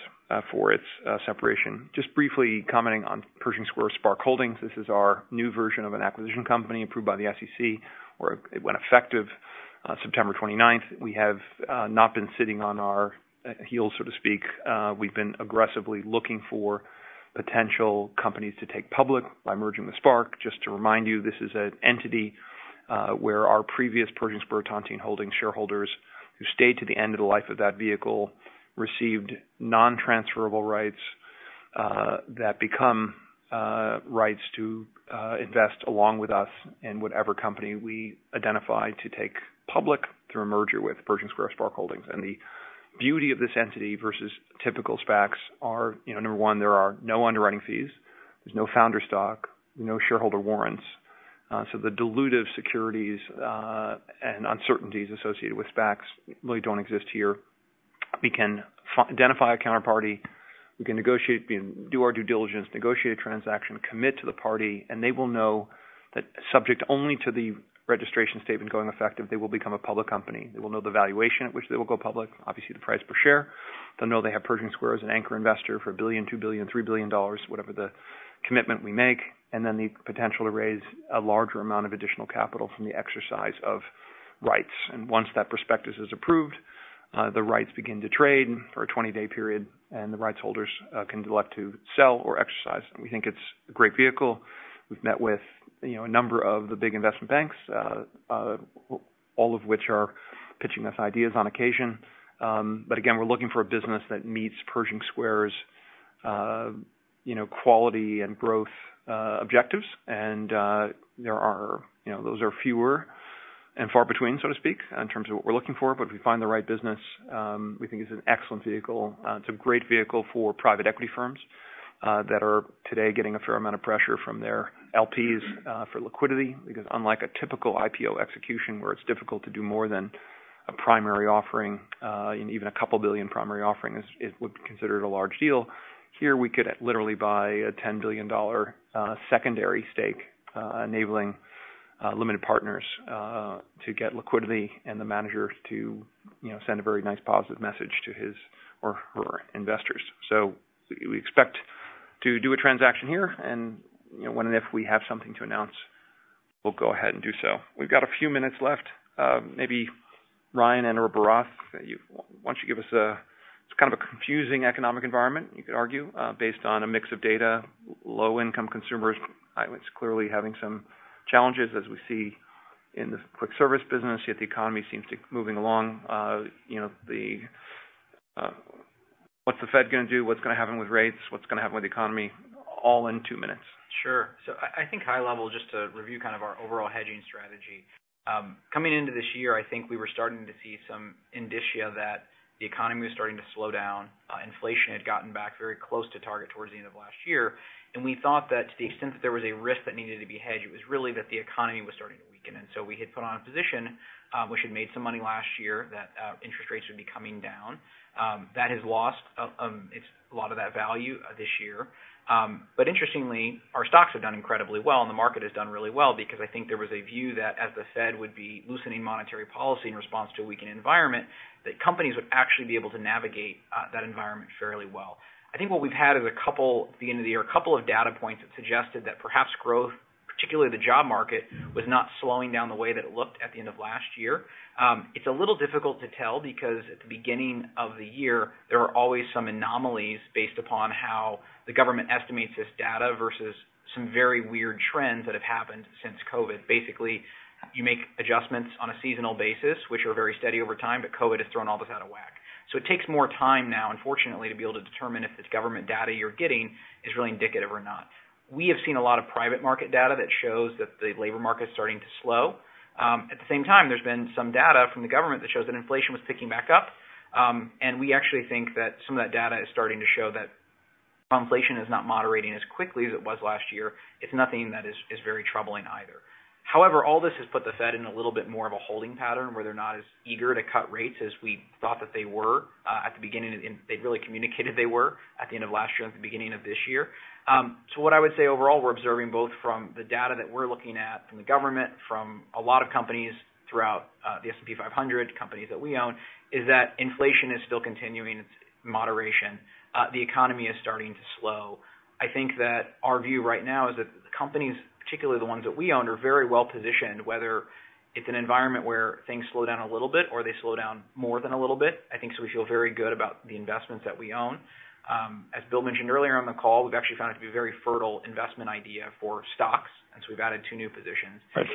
for its separation. Just briefly commenting on Pershing Square SPARC Holdings. This is our new version of an acquisition company approved by the SEC, or it went effective on September twenty-ninth. We have not been sitting on our heels, so to speak. We've been aggressively looking for potential companies to take public by merging with SPARC. Just to remind you, this is an entity where our previous Pershing Square Tontine Holdings shareholders, who stayed to the end of the life of that vehicle, received non-transferable rights that become rights to invest along with us in whatever company we identify to take public through a merger with Pershing Square SPARC Holdings. And the beauty of this entity versus typical SPACs are, you know, number one, there are no underwriting fees, there's no founder stock, no shareholder warrants. So the dilutive securities and uncertainties associated with SPACs really don't exist here. We can identify a counterparty, we can negotiate, do our due diligence, negotiate a transaction, commit to the party, and they will know that subject only to the registration statement going effective, they will become a public company. They will know the valuation at which they will go public, obviously, the price per share. They'll know they have Pershing Square as an anchor investor for $1 billion, $2 billion, $3 billion, whatever the commitment we make, and then the potential to raise a larger amount of additional capital from the exercise of rights. And once that prospectus is approved, the rights begin to trade for a 20-day period, and the rights holders can elect to sell or exercise. We think it's a great vehicle. We've met with, you know, a number of the big investment banks, all of which are pitching us ideas on occasion. But again, we're looking for a business that meets Pershing Square's, you know, quality and growth objectives. There are... You know, those are fewer and far between, so to speak, in terms of what we're looking for. But if we find the right business, we think it's an excellent vehicle. It's a great vehicle for private equity firms that are today getting a fair amount of pressure from their LPs for liquidity. Because unlike a typical IPO execution, where it's difficult to do more than a primary offering, and even a couple billion primary offering would be considered a large deal. Here, we could literally buy a $10 billion secondary stake, enabling limited partners to get liquidity and the manager to, you know, send a very nice positive message to his or her investors. So we expect to do a transaction here, and, you know, when and if we have something to announce, we'll go ahead and do so. We've got a few minutes left. Maybe Ryan and/or Bharath, why don't you give us a... It's kind of a confusing economic environment, you could argue, based on a mix of data, low-income consumers, it's clearly having some challenges, as we see in the quick service business, yet the economy seems to be moving along. You know, the, what's the Fed gonna do? What's gonna happen with rates? What's gonna happen with the economy? All in two minutes. Sure. So I think high level, just to review kind of our overall hedging strategy. Coming into this year, I think we were starting to see some indicia that the economy was starting to slow down. Inflation had gotten back very close to target towards the end of last year, and we thought that to the extent that there was a risk that needed to be hedged, it was really that the economy was starting to weaken. And so we had put on a position, which had made some money last year, that interest rates would be coming down. That has lost a lot of that value this year. But interestingly, our stocks have done incredibly well, and the market has done really well because I think there was a view that as the Fed would be loosening monetary policy in response to a weakened environment, that companies would actually be able to navigate that environment fairly well. I think what we've had is a couple, at the end of the year, a couple of data points that suggested that perhaps growth, particularly the job market, was not slowing down the way that it looked at the end of last year. It's a little difficult to tell because at the beginning of the year, there are always some anomalies based upon how the government estimates this data versus some very weird trends that have happened since COVID. Basically, you make adjustments on a seasonal basis, which are very steady over time, but COVID has thrown all this out of whack. So it takes more time now, unfortunately, to be able to determine if this government data you're getting is really indicative or not. We have seen a lot of private market data that shows that the labor market is starting to slow. At the same time, there's been some data from the government that shows that inflation was ticking back up. And we actually think that some of that data is starting to show that inflation is not moderating as quickly as it was last year. It's nothing that is very troubling either. However, all this has put the Fed in a little bit more of a holding pattern, where they're not as eager to cut rates as we thought that they were, at the beginning, and they really communicated they were at the end of last year and at the beginning of this year. So what I would say, overall, we're observing both from the data that we're looking at from the government, from a lot of companies throughout, the S&P 500, companies that we own, is that inflation is still continuing its moderation. The economy is starting to slow. I think that our view right now is that the companies, particularly the ones that we own, are very well positioned, whether it's an environment where things slow down a little bit or they slow down more than a little bit. I think so we feel very good about the investments that we own. As Bill mentioned earlier on the call, we've actually found it to be a very fertile investment idea for stocks, and so we've added two new positions. Right.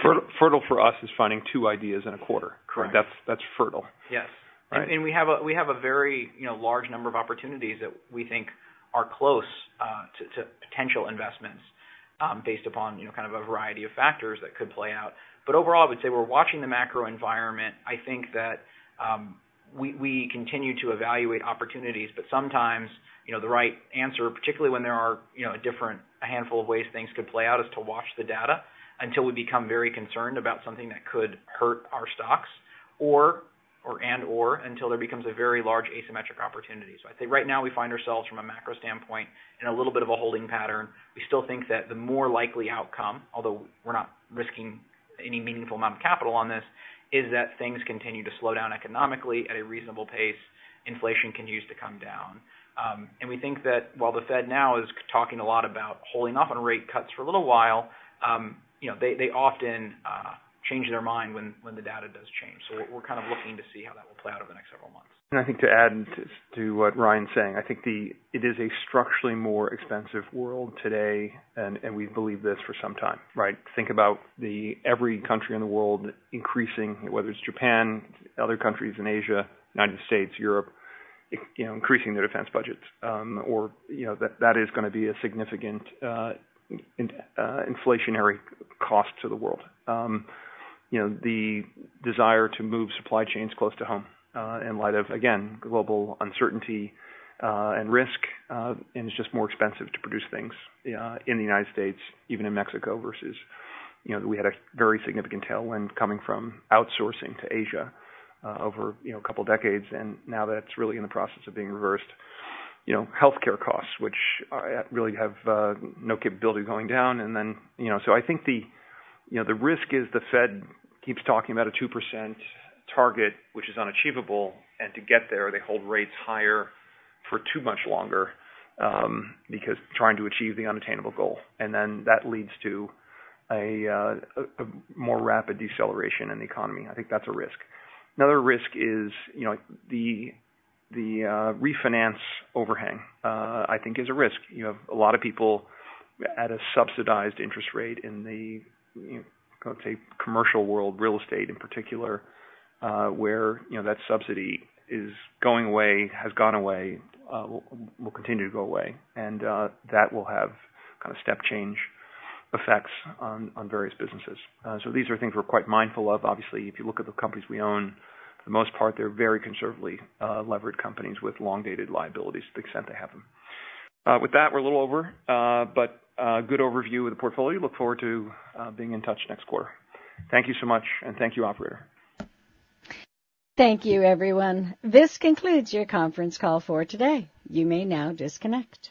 Fertile for us is finding two ideas in a quarter. Correct. That's fertile. Yes. Right. We have a very, you know, large number of opportunities that we think are close to potential investments, based upon, you know, kind of a variety of factors that could play out. But overall, I would say we're watching the macro environment. I think that we continue to evaluate opportunities, but sometimes, you know, the right answer, particularly when there are, you know, a different handful of ways things could play out, is to watch the data until we become very concerned about something that could hurt our stocks or until there becomes a very large asymmetric opportunity. So I'd say right now, we find ourselves, from a macro standpoint, in a little bit of a holding pattern. We still think that the more likely outcome, although we're not risking any meaningful amount of capital on this, is that things continue to slow down economically at a reasonable pace, inflation continues to come down. And we think that while the Fed now is talking a lot about holding off on rate cuts for a little while, you know, they, they often change their mind when, when the data does change. So we're kind of looking to see how that will play out over the next several months. And I think to add to what Ryan's saying, I think it is a structurally more expensive world today, and we've believed this for some time, right? Think about every country in the world increasing, whether it's Japan, other countries in Asia, United States, Europe, you know, increasing their defense budgets, you know, that is gonna be a significant, inflationary cost to the world. You know, the desire to move supply chains close to home, in light of, again, global uncertainty, and risk, and it's just more expensive to produce things, in the United States, even in Mexico, versus, you know, we had a very significant tailwind coming from outsourcing to Asia, over, you know, a couple decades, and now that's really in the process of being reversed. You know, healthcare costs, which really have no capability going down. And then, you know, so I think the, you know, the risk is the Fed keeps talking about a 2% target, which is unachievable, and to get there, they hold rates higher for too much longer, because trying to achieve the unattainable goal, and then that leads to a more rapid deceleration in the economy. I think that's a risk. Another risk is, you know, the refinance overhang, I think is a risk. You have a lot of people at a subsidized interest rate in the, you know, commercial world, real estate in particular, where, you know, that subsidy is going away, has gone away, will continue to go away. And that will have kind of step change effects on various businesses. So these are things we're quite mindful of. Obviously, if you look at the companies we own, for the most part, they're very conservatively levered companies with long-dated liabilities, to the extent they have them. With that, we're a little over, but a good overview of the portfolio. Look forward to being in touch next quarter. Thank you so much, and thank you, operator. Thank you, everyone. This concludes your conference call for today. You may now disconnect.